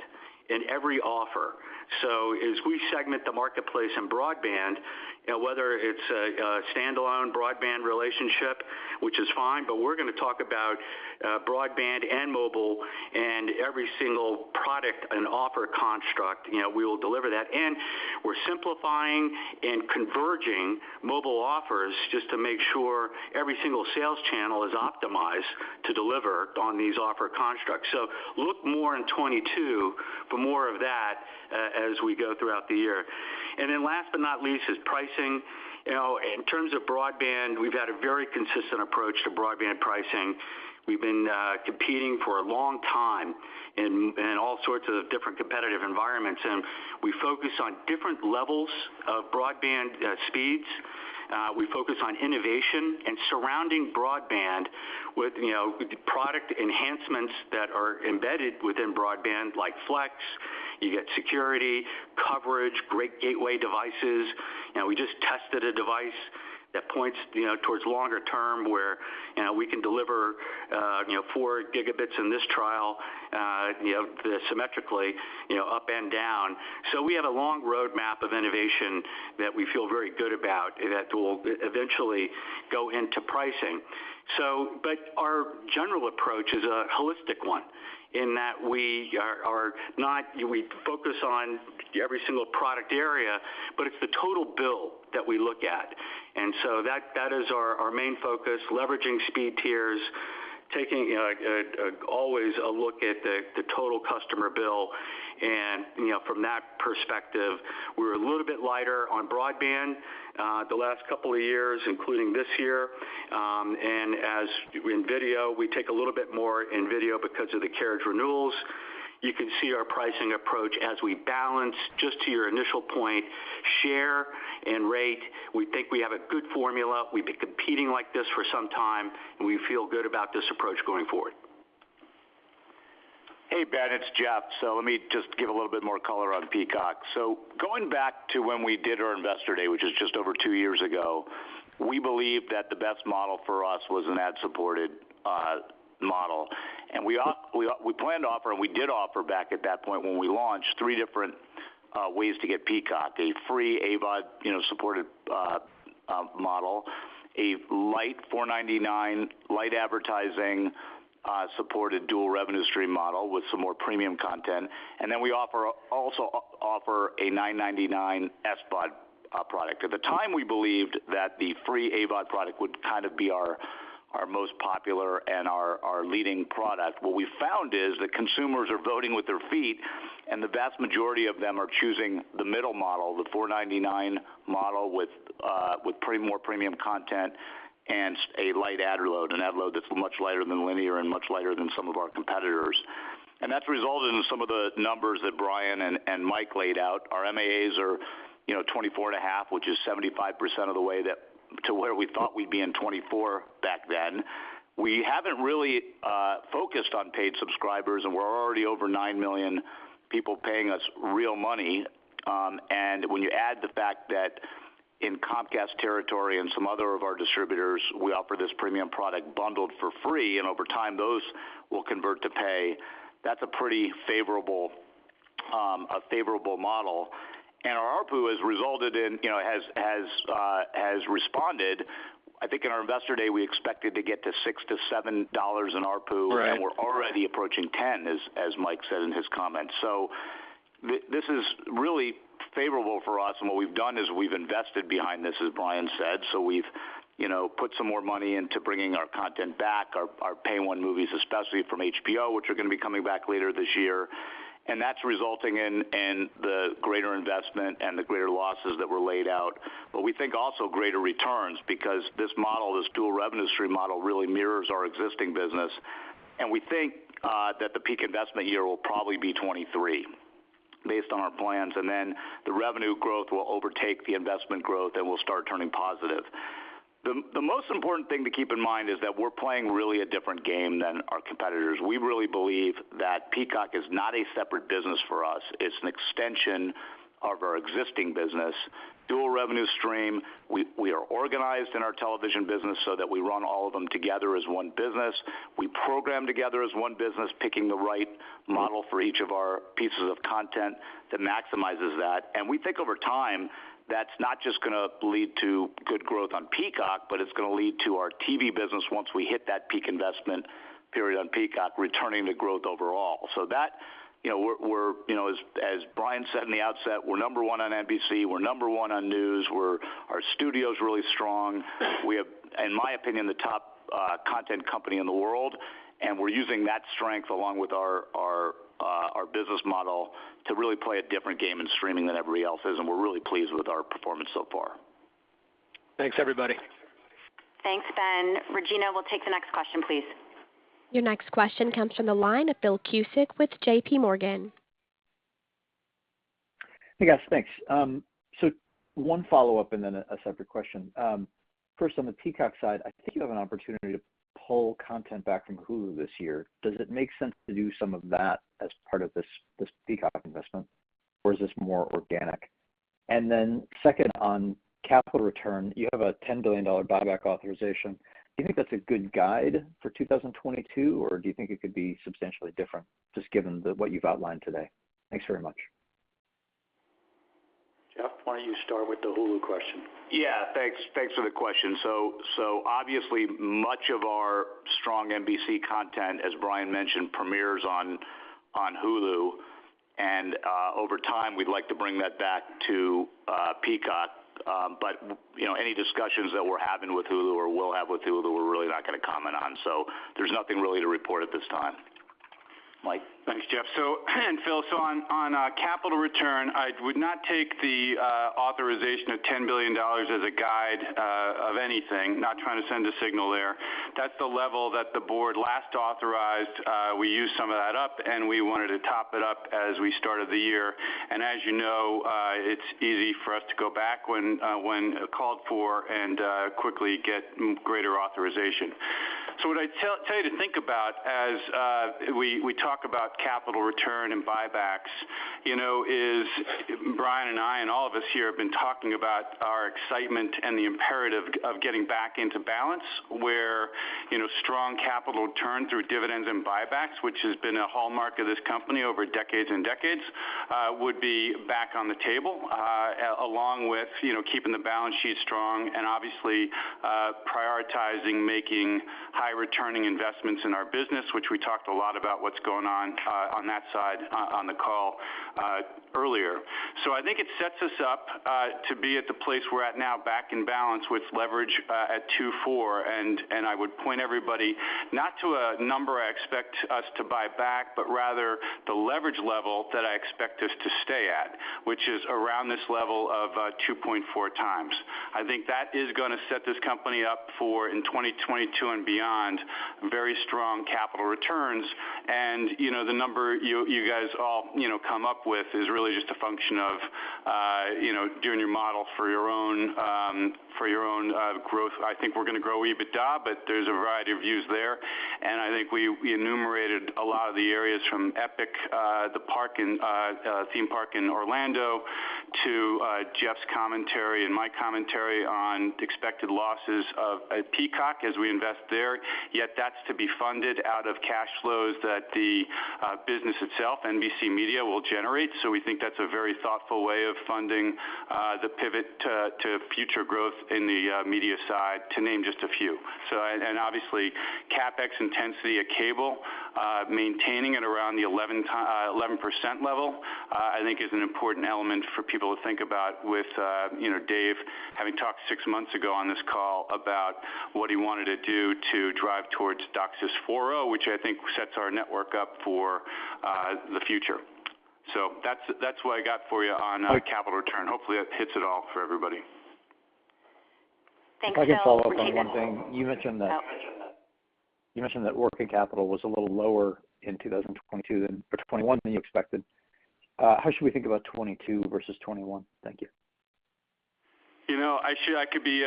and every offer. As we segment the marketplace in broadband, you know, whether it's a standalone broadband relationship, which is fine, but we're gonna talk about broadband and mobile and every single product and offer construct. You know, we will deliver that. We're simplifying and converging mobile offers just to make sure every single sales channel is optimized to deliver on these offer constructs. Look more in 2022 for more of that as we go throughout the year. Then last but not least is pricing. You know, in terms of broadband, we've had a very consistent approach to broadband pricing. We've been competing for a long time in all sorts of different competitive environments, and we focus on different levels of broadband speeds. We focus on innovation and surrounding broadband with, you know, with the product enhancements that are embedded within broadband like Flex. You get security, coverage, great gateway devices. You know, we just tested a device that points, you know, towards longer term where, you know, we can deliver, you know, 4 Gbps in this trial, you know, symmetrically, you know, up and down. We have a long roadmap of innovation that we feel very good about that will eventually go into pricing. But our general approach is a holistic one in that we are not, we focus on every single product area, but it's the total bill that we look at. That is our main focus, leveraging speed tiers, taking, you know, always a look at the total customer bill. You know, from that perspective, we're a little bit lighter on broadband the last couple of years, including this year. As in video, we take a little bit more in video because of the carriage renewals. You can see our pricing approach as we balance just to your initial point, share and rate. We think we have a good formula. We've been competing like this for some time, and we feel good about this approach going forward. Hey, Ben, it's Jeff. Let me just give a little bit more color on Peacock. Going back to when we did our investor day, which is just over two years ago, we believed that the best model for us was an ad-supported model. We planned to offer and we did offer back at that point when we launched three different ways to get Peacock, a free AVOD, you know, supported model, a $4.99 ad-supported dual revenue stream model with some more premium content, and a $9.99 SVOD product. At the time, we believed that the free AVOD product would kind of be our most popular and our leading product. What we found is that consumers are voting with their feet, and the vast majority of them are choosing the middle model, the $4.99 model with more premium content and a light ad load, an ad load that's much lighter than linear and much lighter than some of our competitors. That's resulted in some of the numbers that Brian and Mike laid out. Our MAAs are 24.5, which is 75% of the way to where we thought we'd be in 2024 back then. We haven't really focused on paid subscribers, and we're already over 9 million people paying us real money. When you add the fact that in Comcast territory and some other of our distributors, we offer this premium product bundled for free, and over time, those will convert to pay. That's a pretty favorable model. Our ARPU, you know, has responded. I think in our Investor Day, we expected to get to $6-$7 in ARPU. Right. We're already approaching 10, as Mike said in his comments. This is really favorable for us, and what we've done is we've invested behind this, as Brian said. We've put some more money into bringing our content back, our Pay-One movies, especially from HBO, which are gonna be coming back later this year. That's resulting in the greater investment and the greater losses that were laid out, but we think also greater returns because this model, this dual revenue stream model, really mirrors our existing business. We think that the peak investment year will probably be 2023 based on our plans, and then the revenue growth will overtake the investment growth, and we'll start turning positive. The most important thing to keep in mind is that we're playing really a different game than our competitors. We really believe that Peacock is not a separate business for us. It's an extension of our existing business, dual revenue stream. We are organized in our television business so that we run all of them together as one business. We program together as one business, picking the right model for each of our pieces of content that maximizes that. We think over time, that's not just gonna lead to good growth on Peacock, but it's gonna lead to our TV business once we hit that peak investment period on Peacock returning to growth overall. That, you know, we're, you know, as Brian said in the outset, we're number one on NBC, we're number one on news. Our studio is really strong. We have, in my opinion, the top content company in the world, and we're using that strength along with our business model to really play a different game in streaming than everybody else is, and we're really pleased with our performance so far. Thanks, everybody. Thanks, Ben. Regina, we'll take the next question, please. Your next question comes from the line of Phil Cusick with J.P. Morgan. Hey, guys. Thanks. So one follow-up and then a separate question. First on the Peacock side, I think you have an opportunity to pull content back from Hulu this year. Does it make sense to do some of that as part of this Peacock investment, or is this more organic? Then second, on capital return, you have a $10 billion buyback authorization. Do you think that's a good guide for 2022, or do you think it could be substantially different just given what you've outlined today? Thanks very much. Jeff, why don't you start with the Hulu question? Yeah. Thanks. Thanks for the question. Obviously, much of our strong NBC content, as Brian mentioned, premieres on Hulu. Over time, we'd like to bring that back to Peacock. But, you know, any discussions that we're having with Hulu or will have with Hulu that we're really not gonna comment on. There's nothing really to report at this time. Thanks, Jeff. Phil, on capital return, I would not take the authorization of $10 billion as a guide of anything. Not trying to send a signal there. That's the level that the board last authorized. We used some of that up, and we wanted to top it up as we started the year. As you know, it's easy for us to go back when called for and quickly get greater authorization. What I'd tell you to think about as we talk about capital return and buybacks, you know, is Brian and I and all of us here have been talking about our excitement and the imperative of getting back into balance, where, you know, strong capital return through dividends and buybacks, which has been a hallmark of this company over decades and decades, would be back on the table, along with, you know, keeping the balance sheet strong and obviously, prioritizing making high returning investments in our business, which we talked a lot about what's going on on that side on the call earlier. I think it sets us up to be at the place we're at now back in balance with leverage at 2.4. I would point everybody not to a number I expect us to buy back, but rather the leverage level that I expect us to stay at, which is around this level of 2.4x. I think that is gonna set this company up for in 2022 and beyond very strong capital returns. You know, the number you guys all you know come up with is really just a function of you know doing your model for your own growth. I think we're gonna grow EBITDA, but there's a variety of views there. I think we enumerated a lot of the areas from Epic the theme park in Orlando to Jeff's commentary and my commentary on expected losses at Peacock as we invest there. Yet that's to be funded out of cash flows that the business itself, NBC Media, will generate. We think that's a very thoughtful way of funding the pivot to future growth in the media side, to name just a few. Obviously, CapEx intensity at cable, maintaining it around the 11% level, I think is an important element for people to think about with, you know, Dave having talked six months ago on this call about what he wanted to do to drive towards DOCSIS 4.0, which I think sets our network up for the future. That's what I got for you on capital return. Hopefully, that hits it all for everybody. Thanks, Phil. Regina- If I can follow up on one thing. Oh. You mentioned that working capital was a little lower in 2021 than you expected. How should we think about 2022 versus 2021? Thank you. You know, I could be,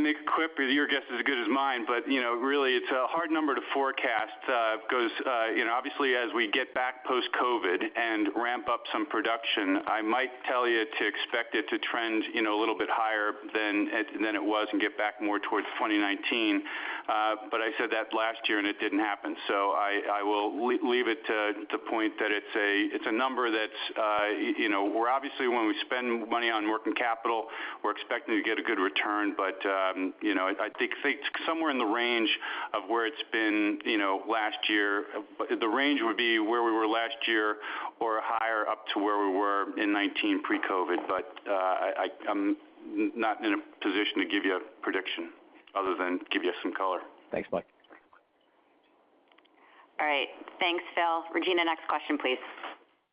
Nick Quipp, your guess is as good as mine. You know, really, it's a hard number to forecast. It goes, you know, obviously, as we get back post-COVID and ramp up some production, I might tell you to expect it to trend, you know, a little bit higher than it was and get back more towards 2019. I said that last year and it didn't happen. I will leave it to point that it's a number that's, you know, we're obviously, when we spend money on working capital, we're expecting to get a good return. You know, I think somewhere in the range of where it's been, you know, last year. The range would be where we were last year or higher up to where we were in 2019 pre-COVID. I'm not in a position to give you a prediction other than give you some color. Thanks, Mike. All right. Thanks, Phil. Regina, next question, please.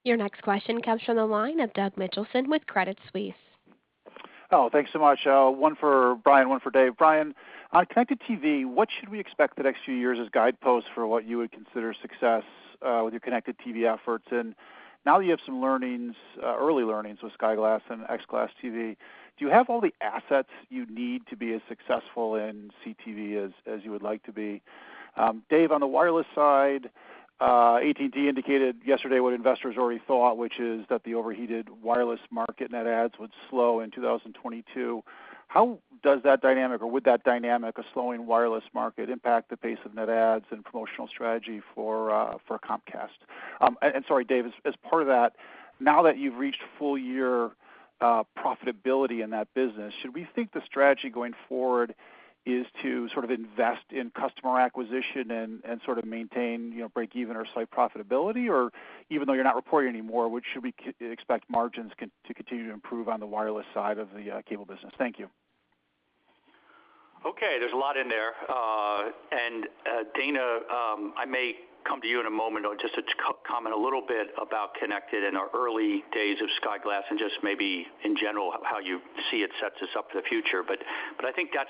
Your next question comes from the line of Doug Mitchelson with Credit Suisse. Thanks so much. One for Brian, one for Dave. Brian, on connected TV, what should we expect the next few years as guideposts for what you would consider success with your connected TV efforts? Now that you have some learnings, early learnings with Sky Glass and XClass TV, do you have all the assets you need to be as successful in CTV as you would like to be? Dave, on the wireless side, AT&T indicated yesterday what investors already thought, which is that the overheated wireless market net adds would slow in 2022. How does that dynamic or would that dynamic, a slowing wireless market, impact the pace of net adds and promotional strategy for Comcast? And sorry, Dave, as part of that, now that you've reached full year profitability in that business, should we think the strategy going forward is to sort of invest in customer acquisition and sort of maintain, you know, breakeven or slight profitability? Or even though you're not reporting anymore, which should we expect margins to continue to improve on the wireless side of the cable business? Thank you. Okay, there's a lot in there. And Dana, I may come to you in a moment or just to comment a little bit about Connected and our early days of Sky Glass and just maybe in general how you see it sets us up for the future. I think that's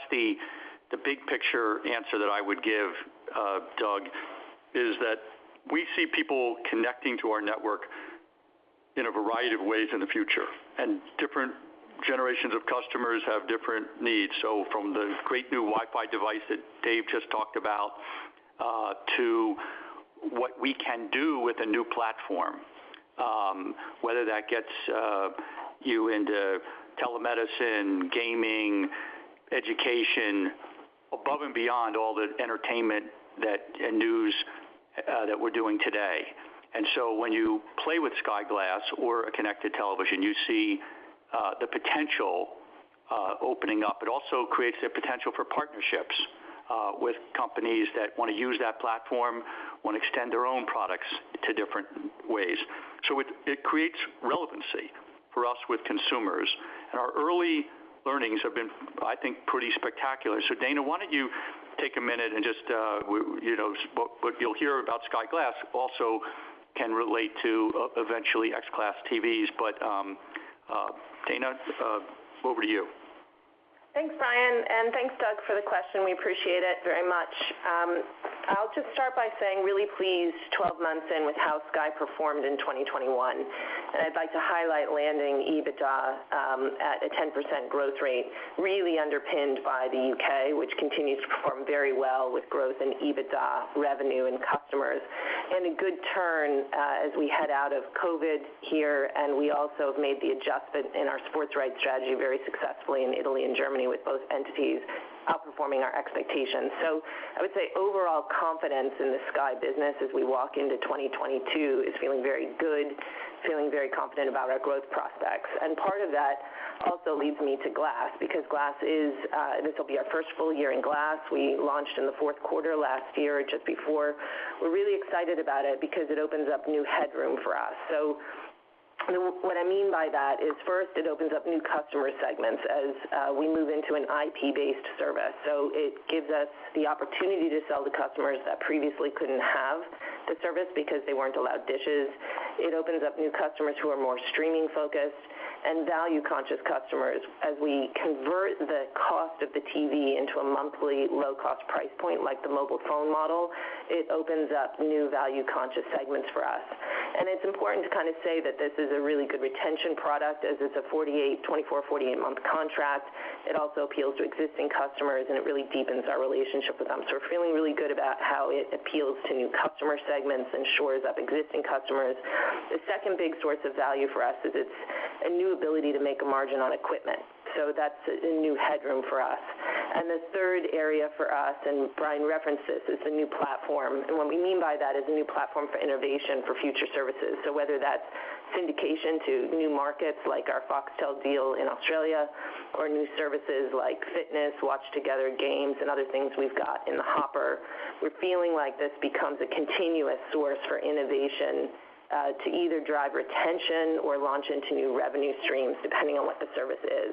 the big picture answer that I would give, Doug, is that we see people connecting to our network in a variety of ways in the future, and different generations of customers have different needs. From the great new Wi-Fi device that Dave just talked about, to what we can do with a new platform, whether that gets you into telemedicine, gaming, education, above and beyond all the entertainment and news that we're doing today. When you play with Sky Glass or a connected television, you see the potential opening up. It also creates the potential for partnerships with companies that wanna use that platform, wanna extend their own products to different ways. It creates relevancy for us with consumers. Our early learnings have been, I think, pretty spectacular. Dana, why don't you take a minute and just you know what you'll hear about Sky Glass also can relate to eventually XClass TVs. Dana, over to you. Thanks, Brian. Thanks, Doug, for the question. We appreciate it very much. I'll just start by saying I'm really pleased 12 months in with how Sky performed in 2021. I'd like to highlight landing EBITDA at a 10% growth rate, really underpinned by the U.K., which continues to perform very well with growth in EBITDA revenue and customers. A good turn as we head out of COVID here, and we also have made the adjustment in our sports rights strategy very successfully in Italy and Germany, with both entities outperforming our expectations. I would say overall confidence in the Sky business as we walk into 2022 is feeling very good, feeling very confident about our growth prospects. Part of that also leads me to Glass, because Glass is, this'll be our first full year in Glass. We launched in the fourth quarter last year, just before. We're really excited about it because it opens up new headroom for us. What I mean by that is, first, it opens up new customer segments as we move into an IP-based service. It gives us the opportunity to sell to customers that previously couldn't have the service because they weren't allowed dishes. It opens up new customers who are more streaming focused and value conscious customers. As we convert the cost of the TV into a monthly low cost price point, like the mobile phone model, it opens up new value conscious segments for us. It's important to kind of say that this is a really good retention product as it's a 48, 24, 48 month contract. It also appeals to existing customers, and it really deepens our relationship with them. We're feeling really good about how it appeals to new customer segments and shores up existing customers. The second big source of value for us is it's a new ability to make a margin on equipment, so that's a new headroom for us. The third area for us, and Brian referenced this, is the new platform. What we mean by that is a new platform for innovation for future services. Whether that's syndication to new markets like our Foxtel deal in Australia or new services like fitness, watch together games and other things we've got in the hopper, we're feeling like this becomes a continuous source for innovation, to either drive retention or launch into new revenue streams depending on what the service is.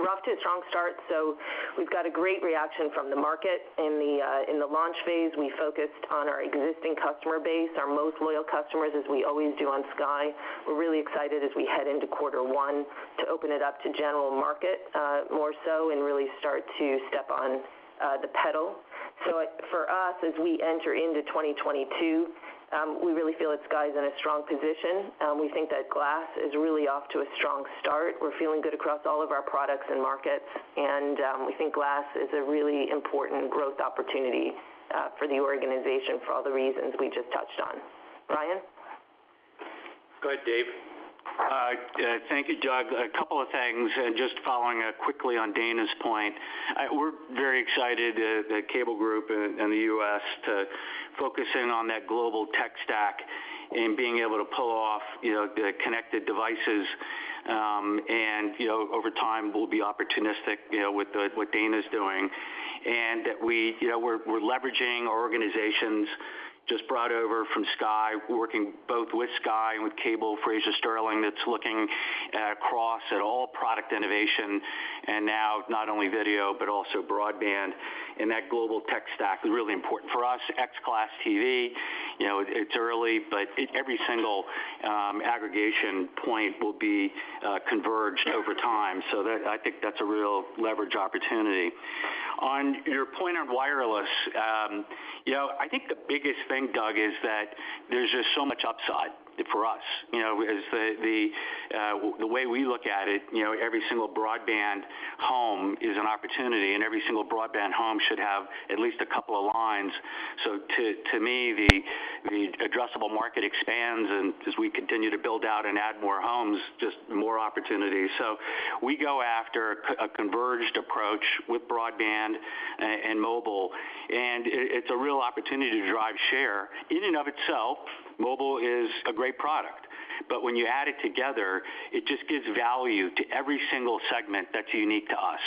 We're off to a strong start, so we've got a great reaction from the market. In the launch phase, we focused on our existing customer base, our most loyal customers, as we always do on Sky. We're really excited as we head into quarter one to open it up to general market, more so and really start to step on the pedal. For us, as we enter into 2022, we really feel that Sky's in a strong position. We think that Glass is really off to a strong start. We're feeling good across all of our products and markets, and we think Glass is a really important growth opportunity for the organization for all the reasons we just touched on. Brian? Go ahead, Dave. Thank you, Doug. A couple of things, just following quickly on Dana's point. We're very excited at Cable Group in the U.S. to focus in on that global tech stack and being able to pull off, you know, the connected devices. You know, over time, we'll be opportunistic, you know, with the, what Dana's doing. That we, you know, we're leveraging our organizations just brought over from Sky, working both with Sky and with Cable, Fraser Stirling, that's looking across at all product innovation and now not only video but also broadband. That global tech stack is really important for us. XClass TV, you know, it's early, but every single... Aggregation point will be converged over time. I think that's a real leverage opportunity. On your point on wireless, you know, I think the biggest thing, Doug, is that there's just so much upside for us. You know, as the way we look at it, you know, every single broadband home is an opportunity, and every single broadband home should have at least a couple of lines. To me, the addressable market expands, and as we continue to build out and add more homes, just more opportunities. We go after a converged approach with broadband and mobile, and it's a real opportunity to drive share. In and of itself, mobile is a great product, but when you add it together, it just gives value to every single segment that's unique to us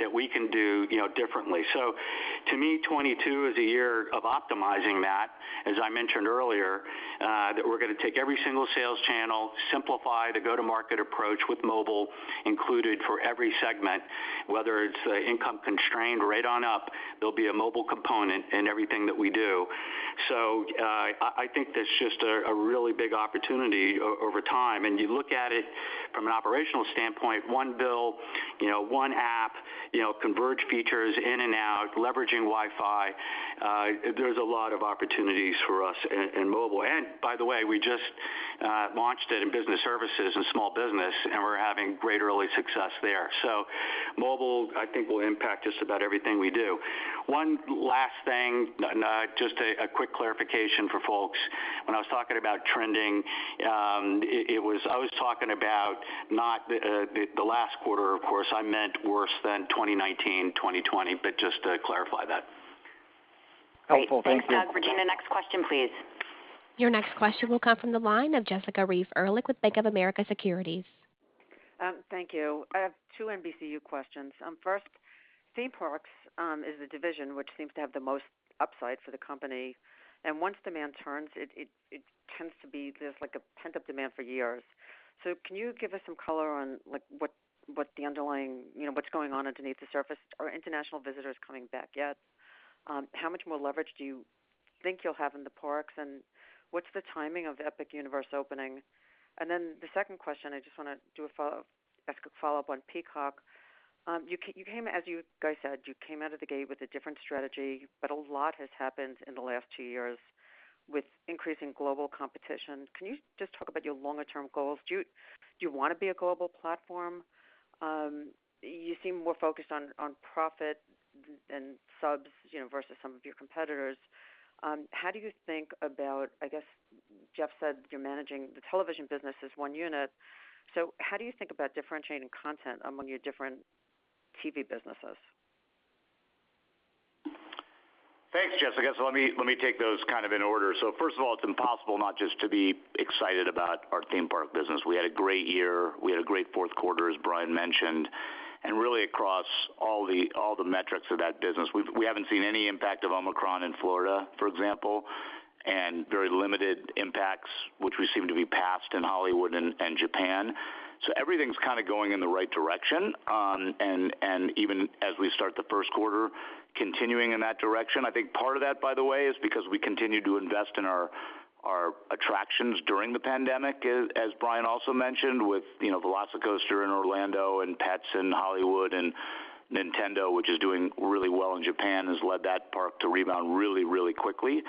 that we can do, you know, differently. To me, 2022 is a year of optimizing that, as I mentioned earlier, that we're gonna take every single sales channel, simplify the go-to-market approach with mobile included for every segment, whether it's income constrained right on up, there'll be a mobile component in everything that we do. I think that's just a really big opportunity over time. You look at it from an operational standpoint, one bill, you know, one app, you know, converge features in and out, leveraging Wi-Fi. There's a lot of opportunities for us in mobile. By the way, we just launched it in business services and small business, and we're having great early success there. Mobile, I think, will impact just about everything we do. One last thing, just a quick clarification for folks. When I was talking about trending, I was talking about not the last quarter, of course. I meant worse than 2019, 2020, but just to clarify that. Helpful. Thank you. Great. Thanks, Doug. Regina, next question, please. Your next question will come from the line of Jessica Reif Ehrlich with Bank of America Securities. Thank you. I have two NBCU questions. First, theme parks is the division which seems to have the most upside for the company, and once demand turns, it tends to be there's like a pent-up demand for years. Can you give us some color on, like, what the underlying, you know, what's going on underneath the surface? Are international visitors coming back yet? How much more leverage do you think you'll have in the parks, and what's the timing of Epic Universe opening? The second question, I just wanna ask a follow-up on Peacock. You came, as you guys said, out of the gate with a different strategy, but a lot has happened in the last two years with increasing global competition. Can you just talk about your longer term goals? Do you wanna be a global platform? You seem more focused on profit than subs, you know, versus some of your competitors. How do you think about I guess Jeff said you're managing the television business as one unit. How do you think about differentiating content among your different TV businesses? Thanks, Jessica. Let me take those kind of in order. First of all, it's impossible not just to be excited about our theme park business. We had a great year. We had a great fourth quarter, as Brian mentioned, and really across all the metrics of that business. We haven't seen any impact of Omicron in Florida, for example, and very limited impacts which we seem to be past in Hollywood and Japan. Everything's kinda going in the right direction, and even as we start the first quarter continuing in that direction. I think part of that, by the way, is because we continued to invest in our attractions during the pandemic, as Brian also mentioned with, you know, VelociCoaster in Orlando and Pets in Hollywood and Nintendo, which is doing really well in Japan, has led that park to rebound really quickly.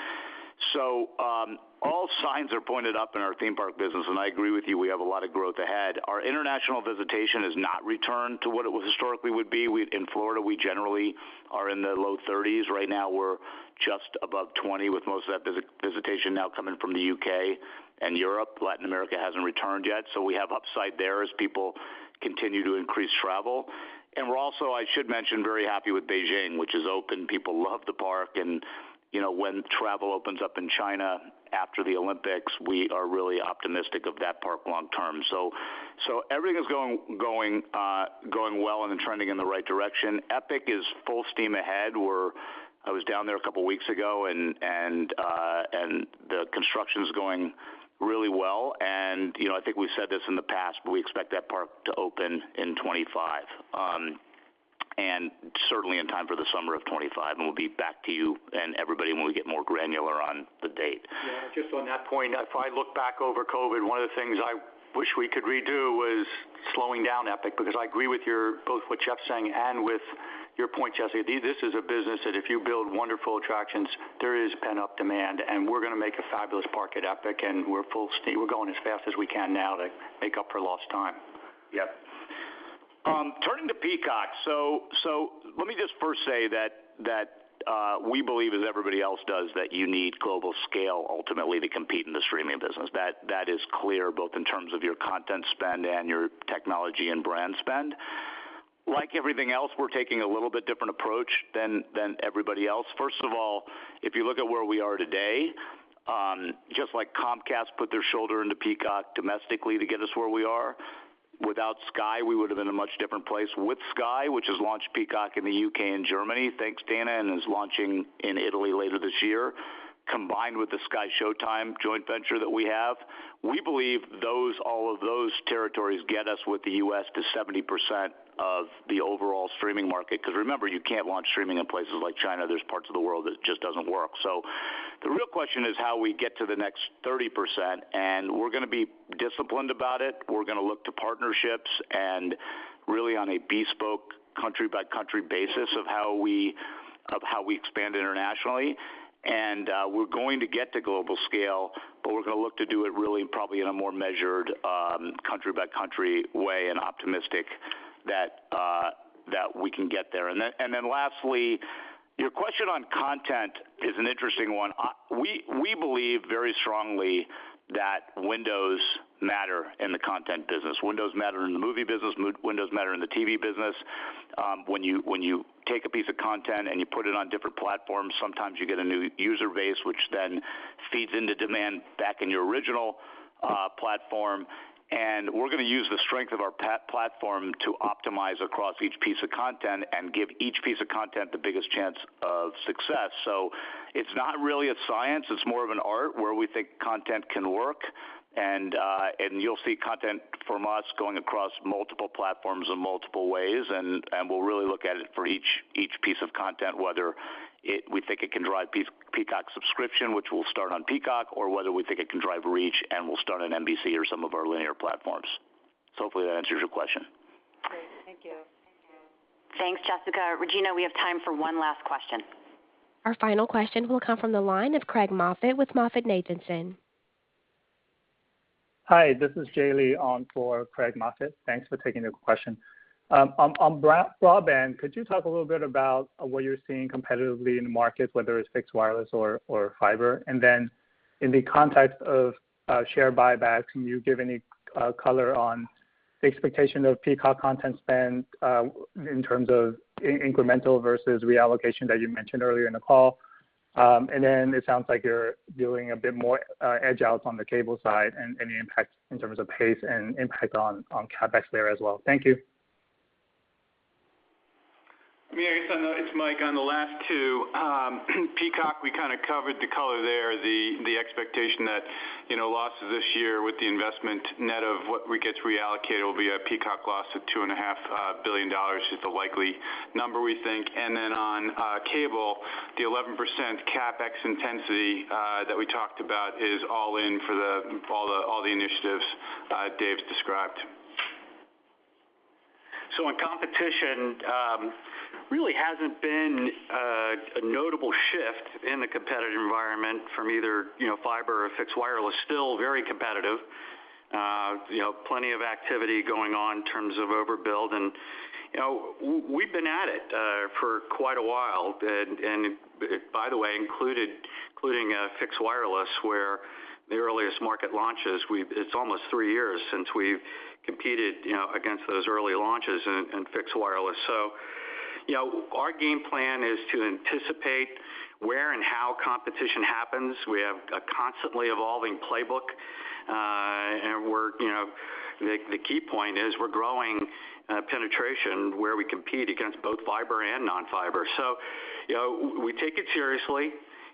All signs are pointed up in our theme park business, and I agree with you, we have a lot of growth ahead. Our international visitation has not returned to what it was historically would be. In Florida, we generally are in the low 30s. Right now, we're just above 20, with most of that visitation now coming from the U.K. and Europe. Latin America hasn't returned yet, so we have upside there as people continue to increase travel. We're also, I should mention, very happy with Beijing, which is open. People love the park and, you know, when travel opens up in China after the Olympics, we are really optimistic of that park long term. Everything's going well and trending in the right direction. Epic is full steam ahead. I was down there a couple weeks ago and the construction's going really well. You know, I think we've said this in the past, but we expect that park to open in 2025 and certainly in time for the summer of 2025. We'll be back to you and everybody when we get more granular on the date. Yeah, just on that point, if I look back over COVID, one of the things I wish we could redo was slowing down Epic because I agree with you both what Jeff's saying and with your point, Jessica. This is a business that if you build wonderful attractions, there is pent-up demand, and we're gonna make a fabulous park at Epic, and we're full steam. We're going as fast as we can now to make up for lost time. Yep. Turning to Peacock. Let me just first say that we believe, as everybody else does, that you need global scale ultimately to compete in the streaming business. That is clear both in terms of your content spend and your technology and brand spend. Like everything else, we're taking a little bit different approach than everybody else. First of all, if you look at where we are today, just like Comcast put their shoulder into Peacock domestically to get us where we are, without Sky, we would've been in a much different place. With Sky, which has launched Peacock in the U.K. and Germany, thanks Dana, and is launching in Italy later this year, combined with the Sky Showtime joint venture that we have, we believe those all of those territories get us with the U.S. to 70% of the overall streaming market. Because remember, you can't launch streaming in places like China. There's parts of the world that it just doesn't work. The real question is how we get to the next 30%, and we're gonna be disciplined about it. We're gonna look to partnerships and really on a bespoke country by country basis of how we expand internationally. We're going to get to global scale, but we're gonna look to do it really probably in a more measured country by country way and optimistic that that we can get there. Lastly, your question on content is an interesting one. We believe very strongly that windows matter in the content business. Windows matter in the movie business, windows matter in the TV business. When you take a piece of content and you put it on different platforms, sometimes you get a new user base, which then feeds into demand back in your original platform. We're gonna use the strength of our platform to optimize across each piece of content and give each piece of content the biggest chance of success. It's not really a science. It's more of an art where we think content can work and you'll see content from us going across multiple platforms in multiple ways, and we'll really look at it for each piece of content, whether we think it can drive Peacock subscription, which will start on Peacock, or whether we think it can drive reach, and we'll start on NBC or some of our linear platforms. Hopefully that answers your question. Great. Thank you. Thanks, Jessica. Regina, we have time for one last question. Our final question will come from the line of Craig Moffett with MoffettNathanson. Hi, this is [Jae Lee] on for Craig Moffett. Thanks for taking the question. On broadband, could you talk a little bit about what you're seeing competitively in the market, whether it's fixed wireless or fiber? In the context of share buybacks, can you give any color on the expectation of Peacock content spend in terms of incremental versus reallocation that you mentioned earlier in the call? It sounds like you're doing a bit more edge outs on the cable side and any impact in terms of pace and impact on CapEx there as well. Thank you. It's Mike on the last two. Peacock, we kind of covered the color there. The expectation that, you know, losses this year with the investment net of what we get to reallocate will be a Peacock loss of $2.5 billion is the likely number we think. On cable, the 11% CapEx intensity that we talked about is all in for all the initiatives Dave's described. On competition, there really hasn't been a notable shift in the competitive environment from either, you know, fiber or fixed wireless, still very competitive. You know, plenty of activity going on in terms of overbuild. You know, we've been at it for quite a while, and by the way, including fixed wireless, where the earliest market launches. It's almost three years since we've competed, you know, against those early launches in fixed wireless. You know, our game plan is to anticipate where and how competition happens. We have a constantly evolving playbook, and you know, the key point is we're growing penetration where we compete against both fiber and non-fiber. You know, we take it seriously.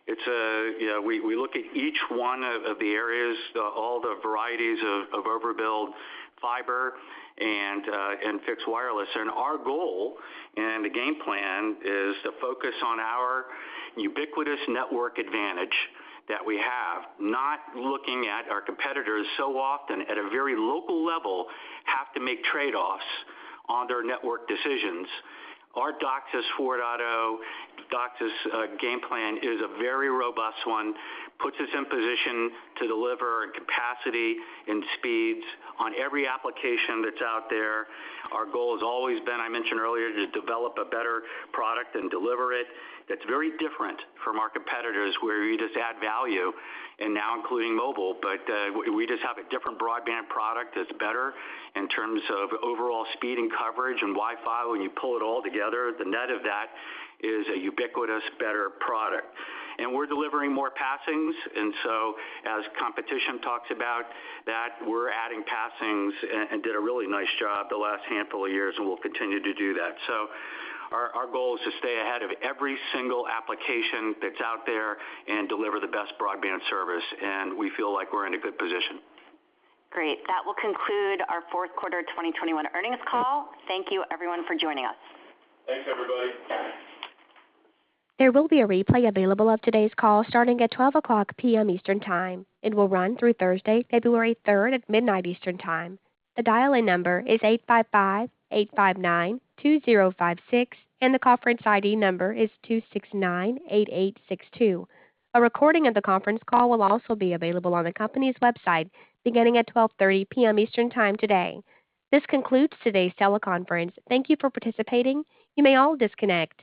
We look at each one of the areas, all the varieties of overbuild fiber and fixed wireless. Our goal and the game plan is to focus on our ubiquitous network advantage that we have, not looking at our competitors so often at a very local level, have to make trade-offs on their network decisions. Our DOCSIS 4.0 game plan is a very robust one, puts us in position to deliver capacity and speeds on every application that's out there. Our goal has always been, I mentioned earlier, to develop a better product and deliver it. That's very different from our competitors, where you just add value and now including mobile. We just have a different broadband product that's better in terms of overall speed and coverage and Wi-Fi. When you pull it all together, the net of that is a ubiquitous better product. We're delivering more passings. As competition talks about that we're adding passings and did a really nice job the last handful of years, and we'll continue to do that. Our goal is to stay ahead of every single application that's out there and deliver the best broadband service, and we feel like we're in a good position. Great. That will conclude our fourth quarter 2021 earnings call. Thank you everyone for joining us. Thanks, everybody. There will be a replay available of today's call starting at 12:00 P.M. Eastern Time. It will run through Thursday, February 3 at 12:00 A.M. Eastern Time. The dial-in number is 855-859-2056, and the conference ID number is 269-8862. A recording of the conference call will also be available on the company's website beginning at 12:30 P.M. Eastern Time today. This concludes today's teleconference. Thank you for participating. You may all disconnect.